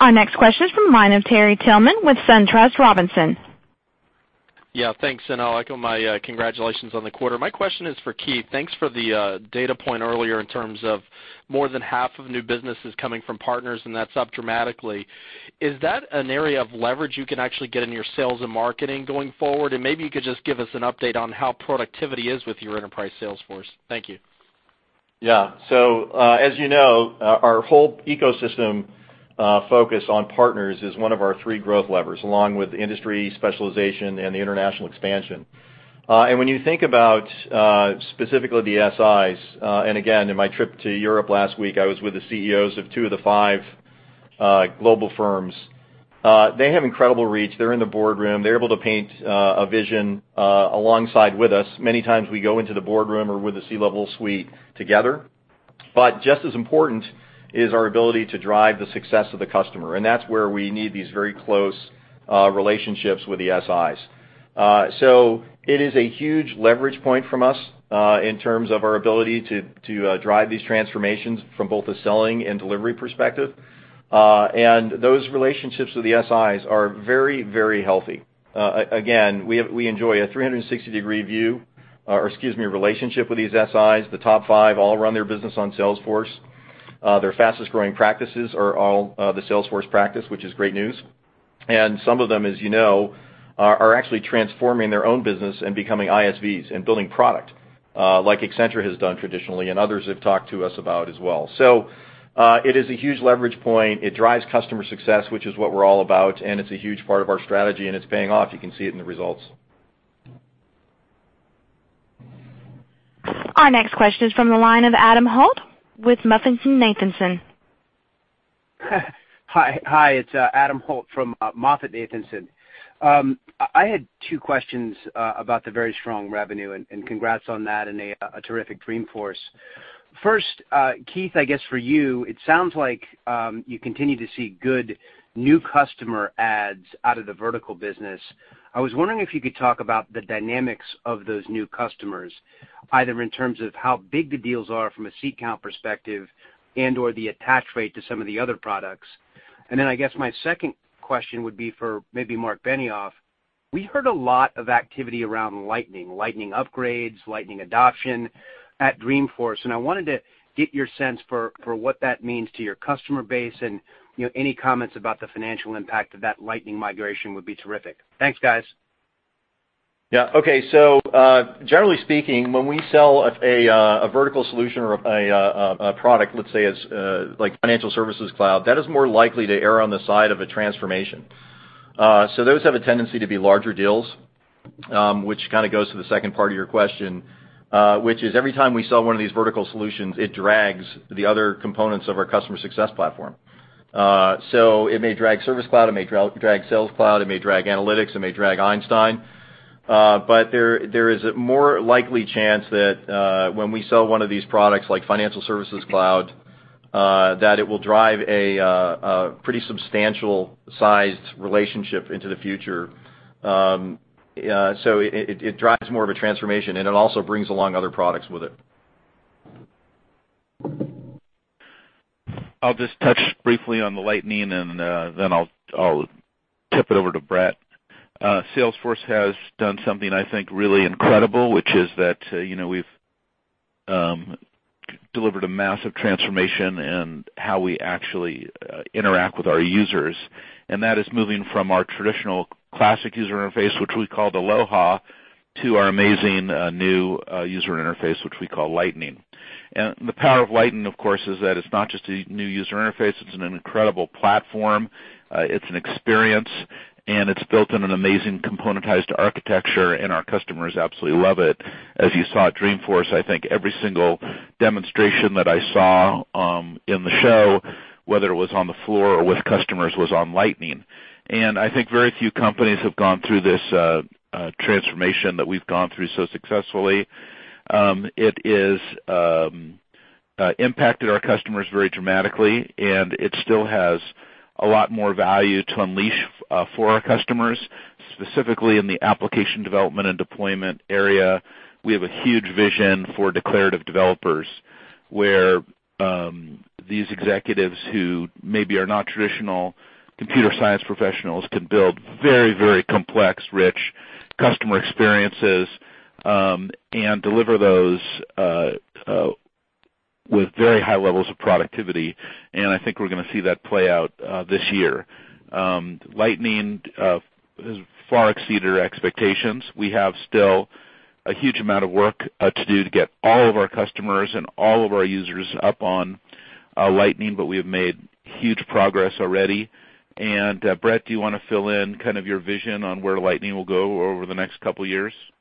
S1: Our next question is from the line of Terry Tillman with SunTrust Robinson.
S12: Yeah, thanks. I'll echo my congratulations on the quarter. My question is for Keith. Thanks for the data point earlier in terms of more than half of new businesses coming from partners. That's up dramatically. Is that an area of leverage you can actually get in your sales and marketing going forward? Maybe you could just give us an update on how productivity is with your enterprise sales force. Thank you.
S4: Yeah. As you know, our whole ecosystem focus on partners is one of our three growth levers, along with industry specialization and the international expansion. When you think about, specifically the SIs, again, in my trip to Europe last week, I was with the CEOs of two of the five global firms. They have incredible reach. They're in the boardroom. They're able to paint a vision alongside us. Many times, we go into the boardroom or with the C-level suite together. Just as important is our ability to drive the success of the customer. That's where we need these very close relationships with the SIs. It is a huge leverage point from us in terms of our ability to drive these transformations from both a selling and delivery perspective. Those relationships with the SIs are very healthy. Again, we enjoy a 360-degree view, or excuse me, relationship with these SIs. The top five all run their business on Salesforce. Their fastest-growing practices are all the Salesforce practice, which is great news. Some of them, as you know, are actually transforming their own business and becoming ISVs and building product, like Accenture has done traditionally. Others have talked to us about as well. It is a huge leverage point. It drives customer success, which is what we're all about. It's a huge part of our strategy. It's paying off. You can see it in the results.
S1: Our next question is from the line of Adam Holt with MoffettNathanson.
S13: Hi, it's Adam Holt from MoffettNathanson. I had two questions about the very strong revenue. Congrats on that, and a terrific Dreamforce. First, Keith, I guess for you, it sounds like you continue to see good new customer adds out of the vertical business. I was wondering if you could talk about the dynamics of those new customers, either in terms of how big the deals are from a seat count perspective and/or the attach rate to some of the other products. I guess my second question would be for maybe Marc Benioff. I wanted to get your sense for what that means to your customer base. Any comments about the financial impact of that Lightning migration would be terrific. Thanks, guys.
S4: Yeah. Okay. Generally speaking, when we sell a vertical solution or a product, let's say, like Financial Services Cloud, that is more likely to err on the side of a transformation. Those have a tendency to be larger deals, which kind of goes to the second part of your question, which is every time we sell one of these vertical solutions, it drags the other components of our customer success platform. It may drag Service Cloud, it may drag Sales Cloud, it may drag Analytics, it may drag Einstein, but there is a more likely chance that when we sell one of these products like Financial Services Cloud, that it will drive a pretty substantial sized relationship into the future. It drives more of a transformation, and it also brings along other products with it.
S3: I'll just touch briefly on the Lightning. Then I'll tip it over to Bret. Salesforce has done something, I think, really incredible, which is that we've delivered a massive transformation in how we actually interact with our users, and that is moving from our traditional classic user interface, which we called Aloha, to our amazing new user interface, which we call Lightning. The power of Lightning, of course, is that it's not just a new user interface, it's an incredible platform, it's an experience, and it's built on an amazing componentized architecture, and our customers absolutely love it. As you saw at Dreamforce, I think every single demonstration that I saw in the show, whether it was on the floor or with customers, was on Lightning. I think very few companies have gone through this transformation that we've gone through so successfully. It has impacted our customers very dramatically, it still has a lot more value to unleash for our customers, specifically in the application development and deployment area. We have a huge vision for declarative developers, where these executives who maybe are not traditional computer science professionals can build very complex, rich customer experiences, deliver those with very high levels of productivity. I think we're going to see that play out this year. Lightning has far exceeded our expectations. We have still a huge amount of work to do to get all of our customers and all of our users up on Lightning, but we have made huge progress already. Bret, do you want to fill in your vision on where Lightning will go over the next couple of years?
S7: Yeah,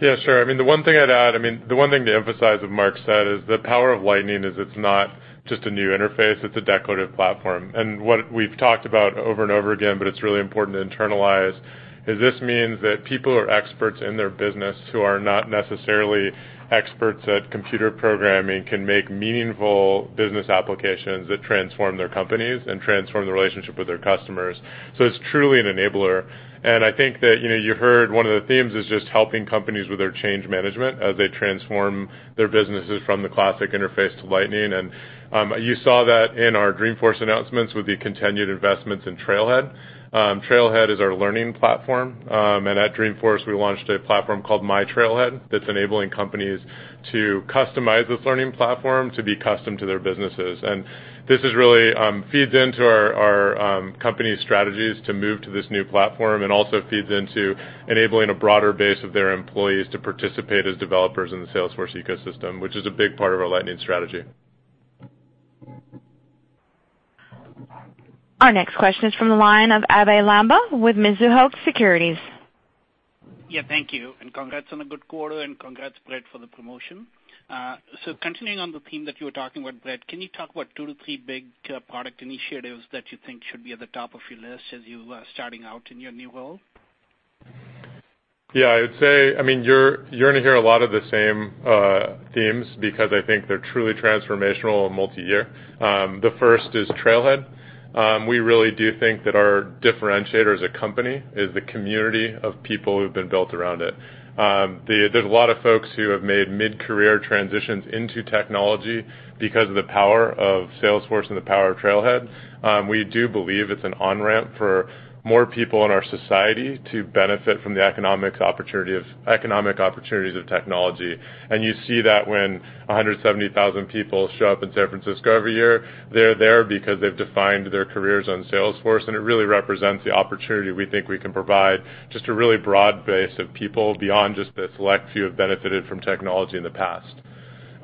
S7: sure. The one thing I'd add, the one thing to emphasize of what Mark said, is the power of Lightning is it's not just a new interface, it's a declarative platform. What we've talked about over and over again, but it's really important to internalize, is this means that people who are experts in their business who are not necessarily experts at computer programming can make meaningful business applications that transform their companies and transform the relationship with their customers. It's truly an enabler. I think that you heard one of the themes is just helping companies with their change management as they transform their businesses from the classic interface to Lightning. You saw that in our Dreamforce announcements with the continued investments in Trailhead. Trailhead is our learning platform. At Dreamforce, we launched a platform called myTrailhead that's enabling companies to customize this learning platform to be custom to their businesses. This really feeds into our company's strategies to move to this new platform, also feeds into enabling a broader base of their employees to participate as developers in the Salesforce ecosystem, which is a big part of our Lightning strategy.
S1: Our next question is from the line of Abhey Lamba with Mizuho Securities.
S14: Thank you, and congrats on a good quarter, and congrats, Bret, for the promotion. Continuing on the theme that you were talking about, Bret, can you talk about two to three big product initiatives that you think should be at the top of your list as you are starting out in your new role?
S7: Yeah, I would say, you're going to hear a lot of the same themes because I think they're truly transformational and multi-year. The first is Trailhead. We really do think that our differentiator as a company is the community of people who've been built around it. There's a lot of folks who have made mid-career transitions into technology because of the power of Salesforce and the power of Trailhead. We do believe it's an on-ramp for more people in our society to benefit from the economic opportunities of technology. You see that when 170,000 people show up in San Francisco every year. They're there because they've defined their careers on Salesforce, and it really represents the opportunity we think we can provide. Just a really broad base of people beyond just the select few who have benefited from technology in the past.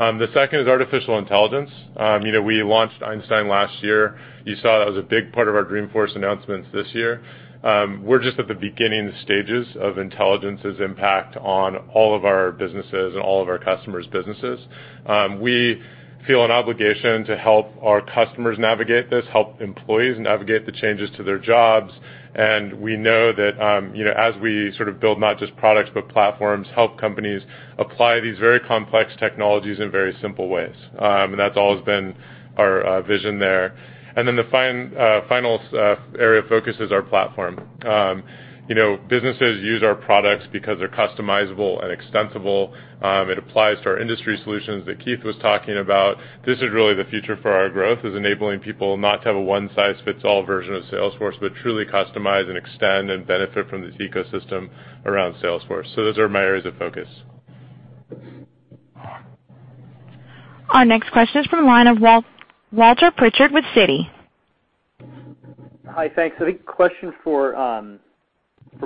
S7: The second is artificial intelligence. We launched Einstein last year. You saw that was a big part of our Dreamforce announcements this year. We're just at the beginning stages of intelligence's impact on all of our businesses and all of our customers' businesses. We feel an obligation to help our customers navigate this, help employees navigate the changes to their jobs. We know that, as we sort of build not just products, but platforms, help companies apply these very complex technologies in very simple ways. That's always been our vision there. The final area of focus is our platform. Businesses use our products because they're customizable and extensible. It applies to our industry solutions that Keith was talking about. This is really the future for our growth, is enabling people not to have a one-size-fits-all version of Salesforce, but truly customize and extend and benefit from this ecosystem around Salesforce. Those are my areas of focus.
S1: Our next question is from the line of Walter Pritchard with Citi.
S15: Hi, thanks. I think question for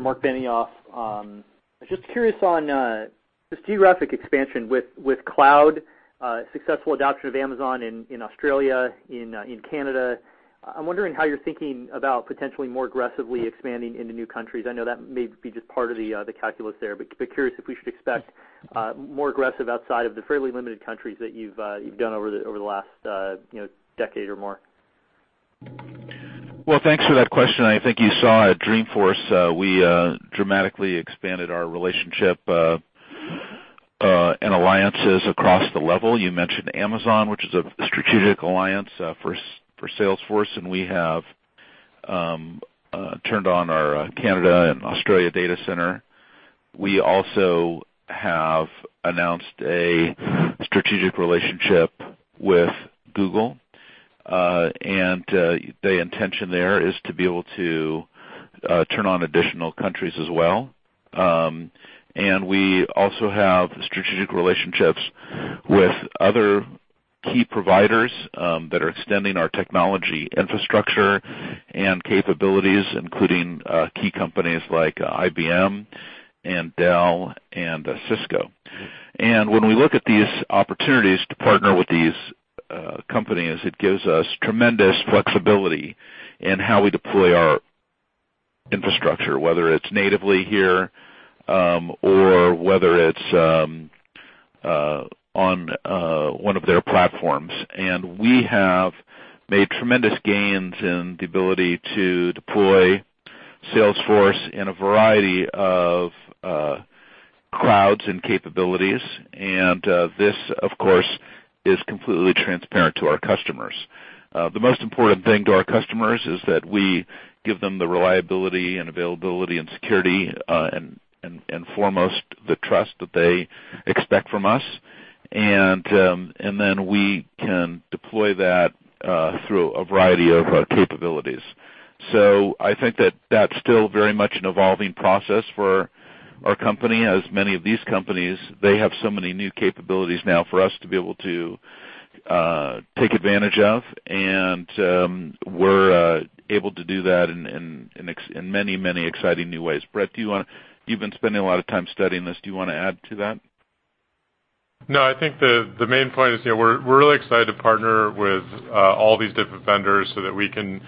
S15: Marc Benioff. I was just curious on this geographic expansion with cloud, successful adoption of Amazon in Australia, in Canada. I'm wondering how you're thinking about potentially more aggressively expanding into new countries. I know that may be just part of the calculus there, but curious if we should expect more aggressive outside of the fairly limited countries that you've done over the last decade or more.
S3: Well, thanks for that question. I think you saw at Dreamforce, we dramatically expanded our relationship and alliances across the level. You mentioned Amazon, which is a strategic alliance for Salesforce, we have turned on our Canada and Australia data center. We also have announced a strategic relationship with Google, the intention there is to be able to turn on additional countries as well. We also have strategic relationships with other key providers that are extending our technology infrastructure and capabilities, including key companies like IBM and Dell, and Cisco. When we look at these opportunities to partner with these companies, it gives us tremendous flexibility in how we deploy our infrastructure, whether it's natively here, or whether it's on one of their platforms. We have made tremendous gains in the ability to deploy Salesforce in a variety of clouds and capabilities. This, of course, is completely transparent to our customers. The most important thing to our customers is that we give them the reliability and availability and security, and foremost, the trust that they expect from us. Then we can deploy that through a variety of capabilities. I think that's still very much an evolving process for our company. As many of these companies, they have so many new capabilities now for us to be able to take advantage of, and we're able to do that in many exciting new ways. Bret, you've been spending a lot of time studying this. Do you want to add to that?
S7: No, I think the main point is we're really excited to partner with all these different vendors so that we can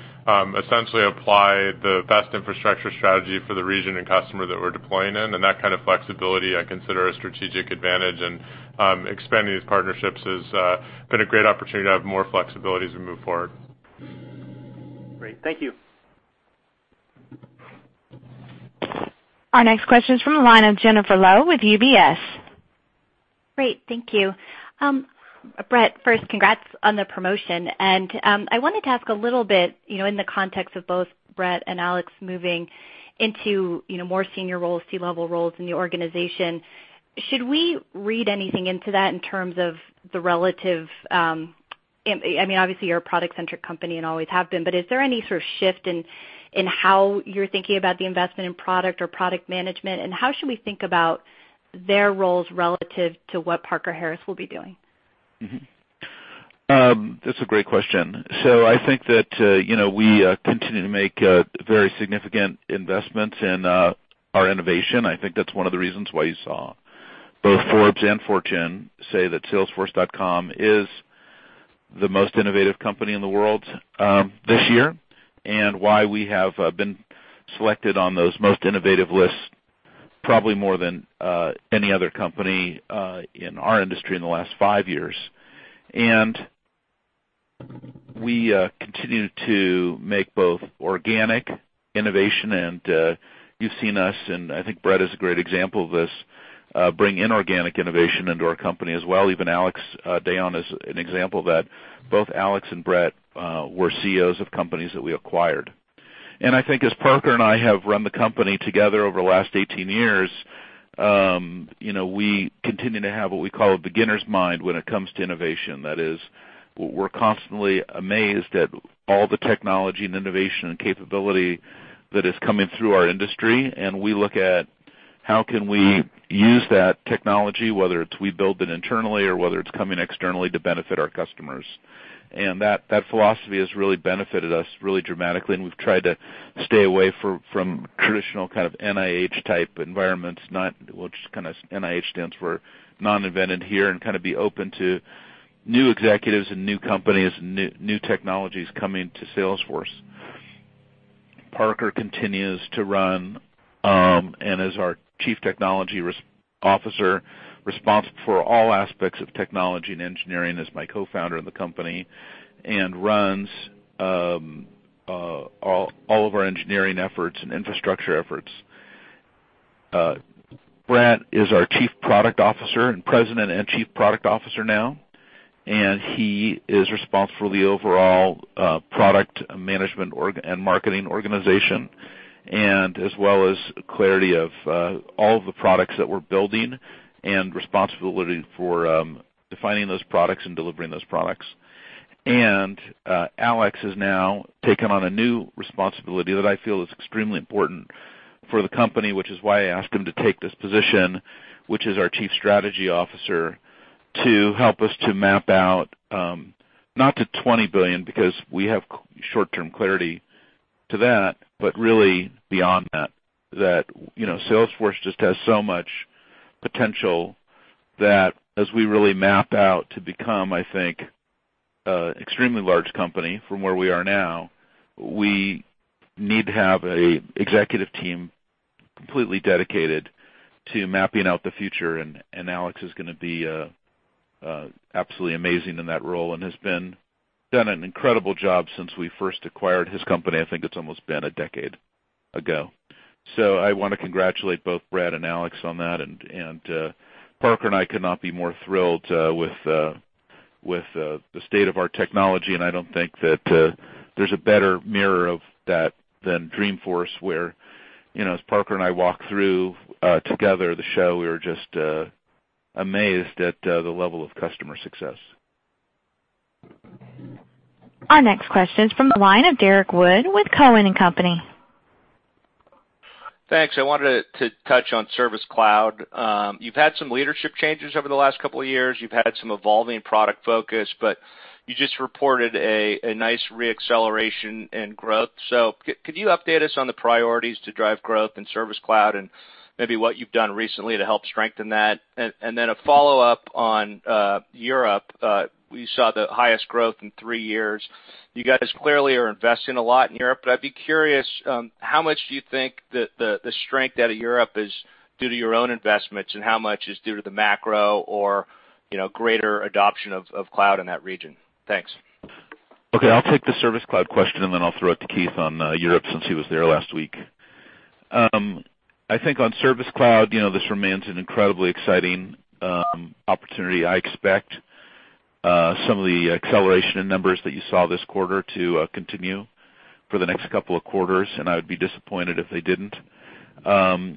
S7: essentially apply the best infrastructure strategy for the region and customer that we're deploying in. That kind of flexibility I consider a strategic advantage, and expanding these partnerships has been a great opportunity to have more flexibility as we move forward.
S15: Great. Thank you.
S1: Our next question is from the line of Jennifer Lowe with UBS.
S16: Great. Thank you. Bret, first, congrats on the promotion. I wanted to ask a little bit, in the context of both Bret and Alex moving into more senior roles, C-level roles in the organization, should we read anything into that in terms of the relative, obviously, you're a product-centric company and always have been, but is there any sort of shift in how you're thinking about the investment in product or product management, and how should we think about their roles relative to what Parker Harris will be doing?
S3: That's a great question. I think that we continue to make very significant investments in our innovation. I think that's one of the reasons why you saw both Forbes and Fortune say that salesforce.com is the most innovative company in the world this year, and why we have been selected on those most innovative lists probably more than any other company in our industry in the last five years. We continue to make both organic innovation, and you've seen us, and I think Bret is a great example of this, bring inorganic innovation into our company as well. Even Alex Dayon is an example of that. Both Alex and Bret were CEOs of companies that we acquired. I think as Parker and I have run the company together over the last 18 years, we continue to have what we call a beginner's mind when it comes to innovation. That is, we're constantly amazed at all the technology and innovation and capability that is coming through our industry, and we look at how can we use that technology, whether it's we build it internally or whether it's coming externally to benefit our customers. That philosophy has really benefited us really dramatically, and we've tried to stay away from traditional kind of NIH-type environments, which NIH stands for not invented here, and kind of be open to new executives and new companies and new technologies coming to Salesforce. Parker continues to run, and as our Chief Technology Officer, responsible for all aspects of technology and engineering as my co-founder in the company, and runs all of our engineering efforts and infrastructure efforts. Bret is our Chief Product Officer, and President and Chief Product Officer now, and he is responsible for the overall product management and marketing organization, and as well as clarity of all of the products that we're building and responsibility for defining those products and delivering those products. Alex has now taken on a new responsibility that I feel is extremely important for the company, which is why I asked him to take this position, which is our Chief Strategy Officer, to help us to map out, not to $20 billion, because we have short-term clarity to that, but really beyond that. That Salesforce just has so much potential that as we really map out to become, I think, extremely large company from where we are now, we need to have an executive team completely dedicated to mapping out the future, and Alex is going to be absolutely amazing in that role and has done an incredible job since we first acquired his company. I think it's almost been a decade ago. I want to congratulate both Bret and Alex on that, and Parker and I could not be more thrilled with the state of our technology, and I don't think that there's a better mirror of that than Dreamforce, where, as Parker and I walked through together the show, we were just amazed at the level of customer success.
S1: Our next question is from the line of Derrick Wood with Cowen and Company.
S17: Thanks. I wanted to touch on Service Cloud. You've had some leadership changes over the last couple of years. You've had some evolving product focus, but you just reported a nice re-acceleration in growth. Could you update us on the priorities to drive growth in Service Cloud and maybe what you've done recently to help strengthen that? A follow-up on Europe. You saw the highest growth in 3 years. You guys clearly are investing a lot in Europe, but I'd be curious, how much do you think that the strength out of Europe is due to your own investments, and how much is due to the macro or greater adoption of cloud in that region? Thanks.
S3: Okay, I'll take the Service Cloud question. I'll throw it to Keith on Europe since he was there last week. I think on Service Cloud, this remains an incredibly exciting opportunity. I expect some of the acceleration in numbers that you saw this quarter to continue for the next couple of quarters, and I would be disappointed if they didn't. Service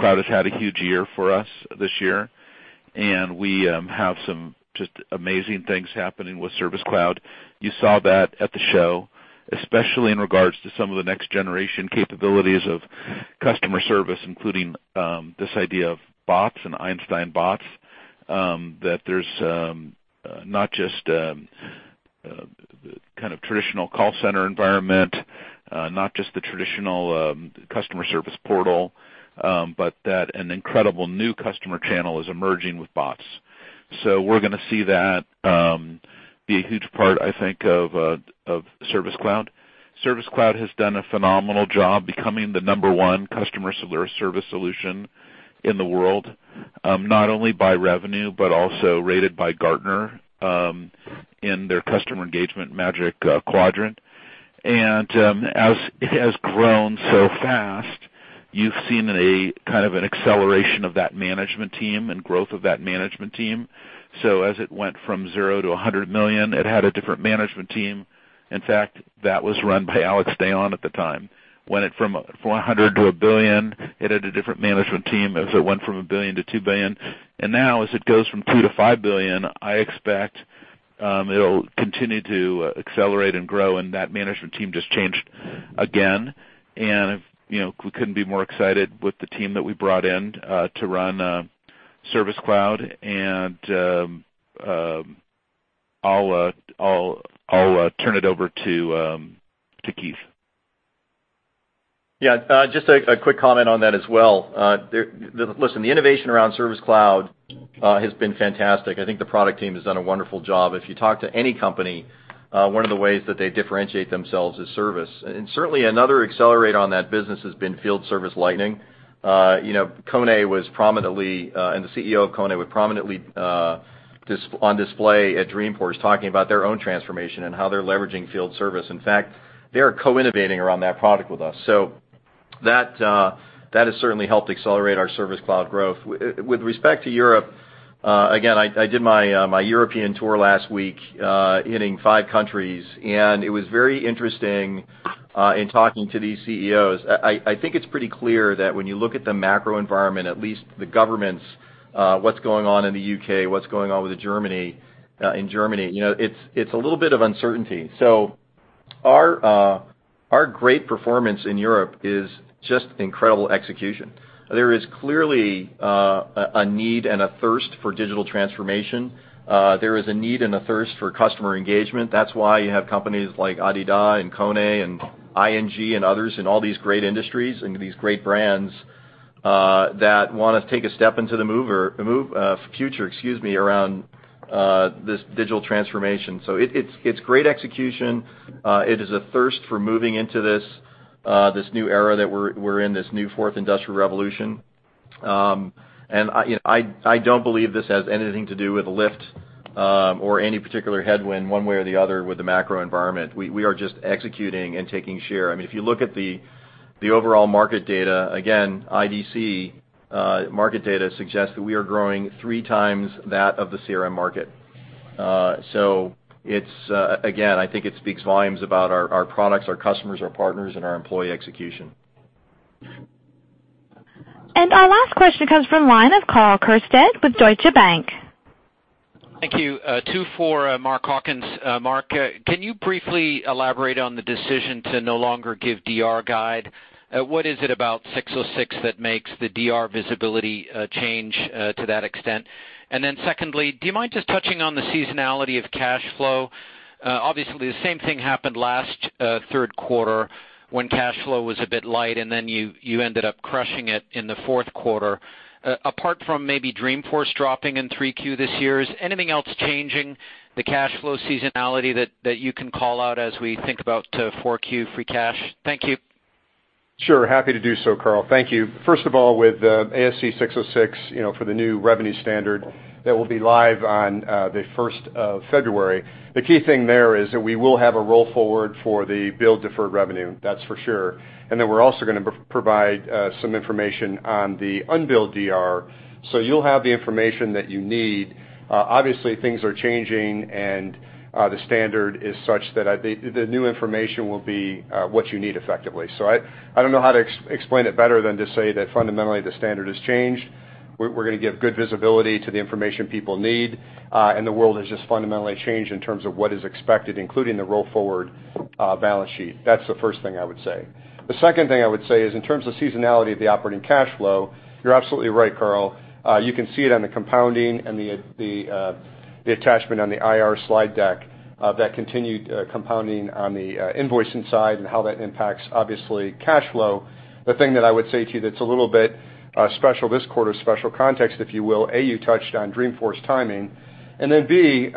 S3: Cloud has had a huge year for us this year, and we have some just amazing things happening with Service Cloud. You saw that at the show, especially in regards to some of the next-generation capabilities of customer service, including this idea of bots and Einstein bots, that there's not just kind of traditional call center environment, not just the traditional customer service portal, but that an incredible new customer channel is emerging with bots. We're going to see that be a huge part, I think, of Service Cloud. Service Cloud has done a phenomenal job becoming the number one customer service solution in the world, not only by revenue but also rated by Gartner in their customer engagement magic quadrant. As it has grown so fast, you've seen a kind of an acceleration of that management team and growth of that management team. As it went from 0 to $100 million, it had a different management team. In fact, that was run by Alex Dayon at the time. Went it from $100 million to $1 billion, it had a different management team. As it went from $1 billion to $2 billion, and now as it goes from $2 billion to $5 billion, I expect it'll continue to accelerate and grow, and that management team just changed again. We couldn't be more excited with the team that we brought in to run Service Cloud. I'll turn it over to Keith. Just a quick comment on that as well. Listen, the innovation around Service Cloud has been fantastic. I think the product team has done a wonderful job. If you talk to any company, one of the ways that they differentiate themselves is service. Certainly another accelerator on that business has been Field Service Lightning. KONE and the CEO of KONE were prominently on display at Dreamforce talking about their own transformation and how they're leveraging field service. In fact, they are co-innovating around that product with us. That has certainly helped accelerate our Service Cloud growth. With respect to Europe, again, I did my European tour last week, hitting five countries, and it was very interesting in talking to these CEOs.
S4: I think it's pretty clear that when you look at the macro environment, at least the governments, what's going on in the U.K., what's going on in Germany, it's a little bit of uncertainty. Our great performance in Europe is just incredible execution. There is clearly a need and a thirst for digital transformation. There is a need and a thirst for customer engagement. That's why you have companies like Adidas and KONE and ING and others in all these great industries and these great brands that want to take a step into the future around this digital transformation. It's great execution. It is a thirst for moving into this new era that we're in, this new fourth industrial revolution. I don't believe this has anything to do with Lyft or any particular headwind one way or the other with the macro environment.
S3: We are just executing and taking share. If you look at the overall market data, again, IDC market data suggests that we are growing three times that of the CRM market. Again, I think it speaks volumes about our products, our customers, our partners, and our employee execution.
S1: Our last question comes from line of Karl Keirstead with Deutsche Bank.
S18: Thank you. Two for Mark Hawkins. Mark, can you briefly elaborate on the decision to no longer give DR guide? What is it about 606 that makes the DR visibility change to that extent? Secondly, do you mind just touching on the seasonality of cash flow? Obviously, the same thing happened last third quarter when cash flow was a bit light, and you ended up crushing it in the fourth quarter. Apart from maybe Dreamforce dropping in Q3 this year, is anything else changing the cash flow seasonality that you can call out as we think about Q4 free cash? Thank you.
S5: Sure. Happy to do so, Karl. Thank you. First of all, with ASC 606, for the new revenue standard that will be live on the 1st of February, the key thing there is that we will have a roll forward for the billed deferred revenue, that's for sure. We're also going to provide some information on the unbilled DR. You'll have the information that you need. Obviously, things are changing, and the standard is such that the new information will be what you need effectively. I don't know how to explain it better than to say that fundamentally the standard has changed. We're going to give good visibility to the information people need. The world has just fundamentally changed in terms of what is expected, including the roll-forward balance sheet. That's the first thing I would say. The second thing I would say is in terms of seasonality of the operating cash flow, you're absolutely right, Karl. You can see it on the compounding and the attachment on the IR slide deck, that continued compounding on the invoicing side and how that impacts, obviously, cash flow. The thing that I would say to you that's a little bit special this quarter, special context, if you will, A, you touched on Dreamforce timing, B,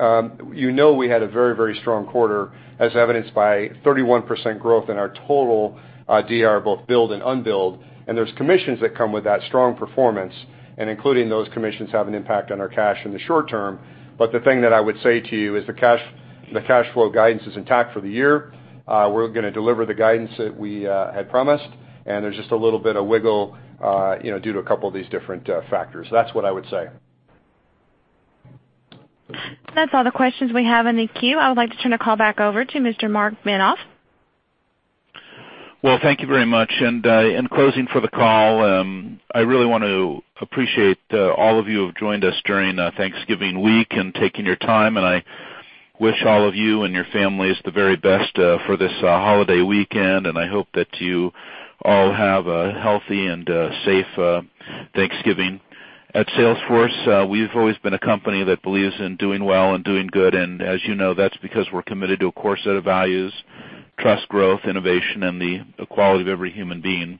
S5: you know we had a very strong quarter, as evidenced by 31% growth in our total DR, both billed and unbilled. There's commissions that come with that strong performance, and including those commissions have an impact on our cash in the short term. The thing that I would say to you is the cash flow guidance is intact for the year.
S3: We're going to deliver the guidance that we had promised, there's just a little bit of wiggle due to a couple of these different factors. That's what I would say.
S1: That's all the questions we have in the queue. I would like to turn the call back over to Mr. Marc Benioff.
S3: Well, thank you very much. In closing for the call, I really want to appreciate all of you who have joined us during Thanksgiving week and taking your time, I wish all of you and your families the very best for this holiday weekend, I hope that you all have a healthy and safe Thanksgiving. At Salesforce, we've always been a company that believes in doing well and doing good, and as you know, that's because we're committed to a core set of values, trust, growth, innovation, and the equality of every human being.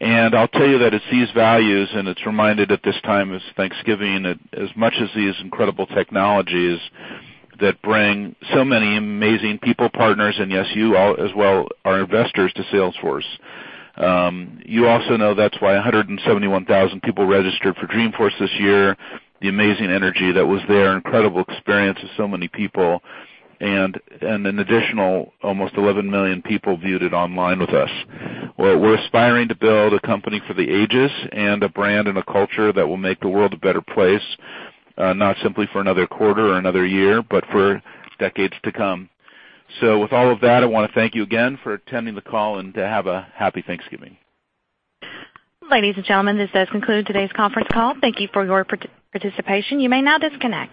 S3: I'll tell you that it's these values, and it's reminded at this time as Thanksgiving, as much as these incredible technologies that bring so many amazing people, partners, and yes, you all as well, our investors to Salesforce. You also know that's why 171,000 people registered for Dreamforce this year. The amazing energy that was there, incredible experience of so many people, an additional almost 11 million people viewed it online with us. We're aspiring to build a company for the ages and a brand and a culture that will make the world a better place, not simply for another quarter or another year, but for decades to come. With all of that, I want to thank you again for attending the call, and have a happy Thanksgiving.
S1: Ladies and gentlemen, this does conclude today's conference call. Thank you for your participation. You may now disconnect.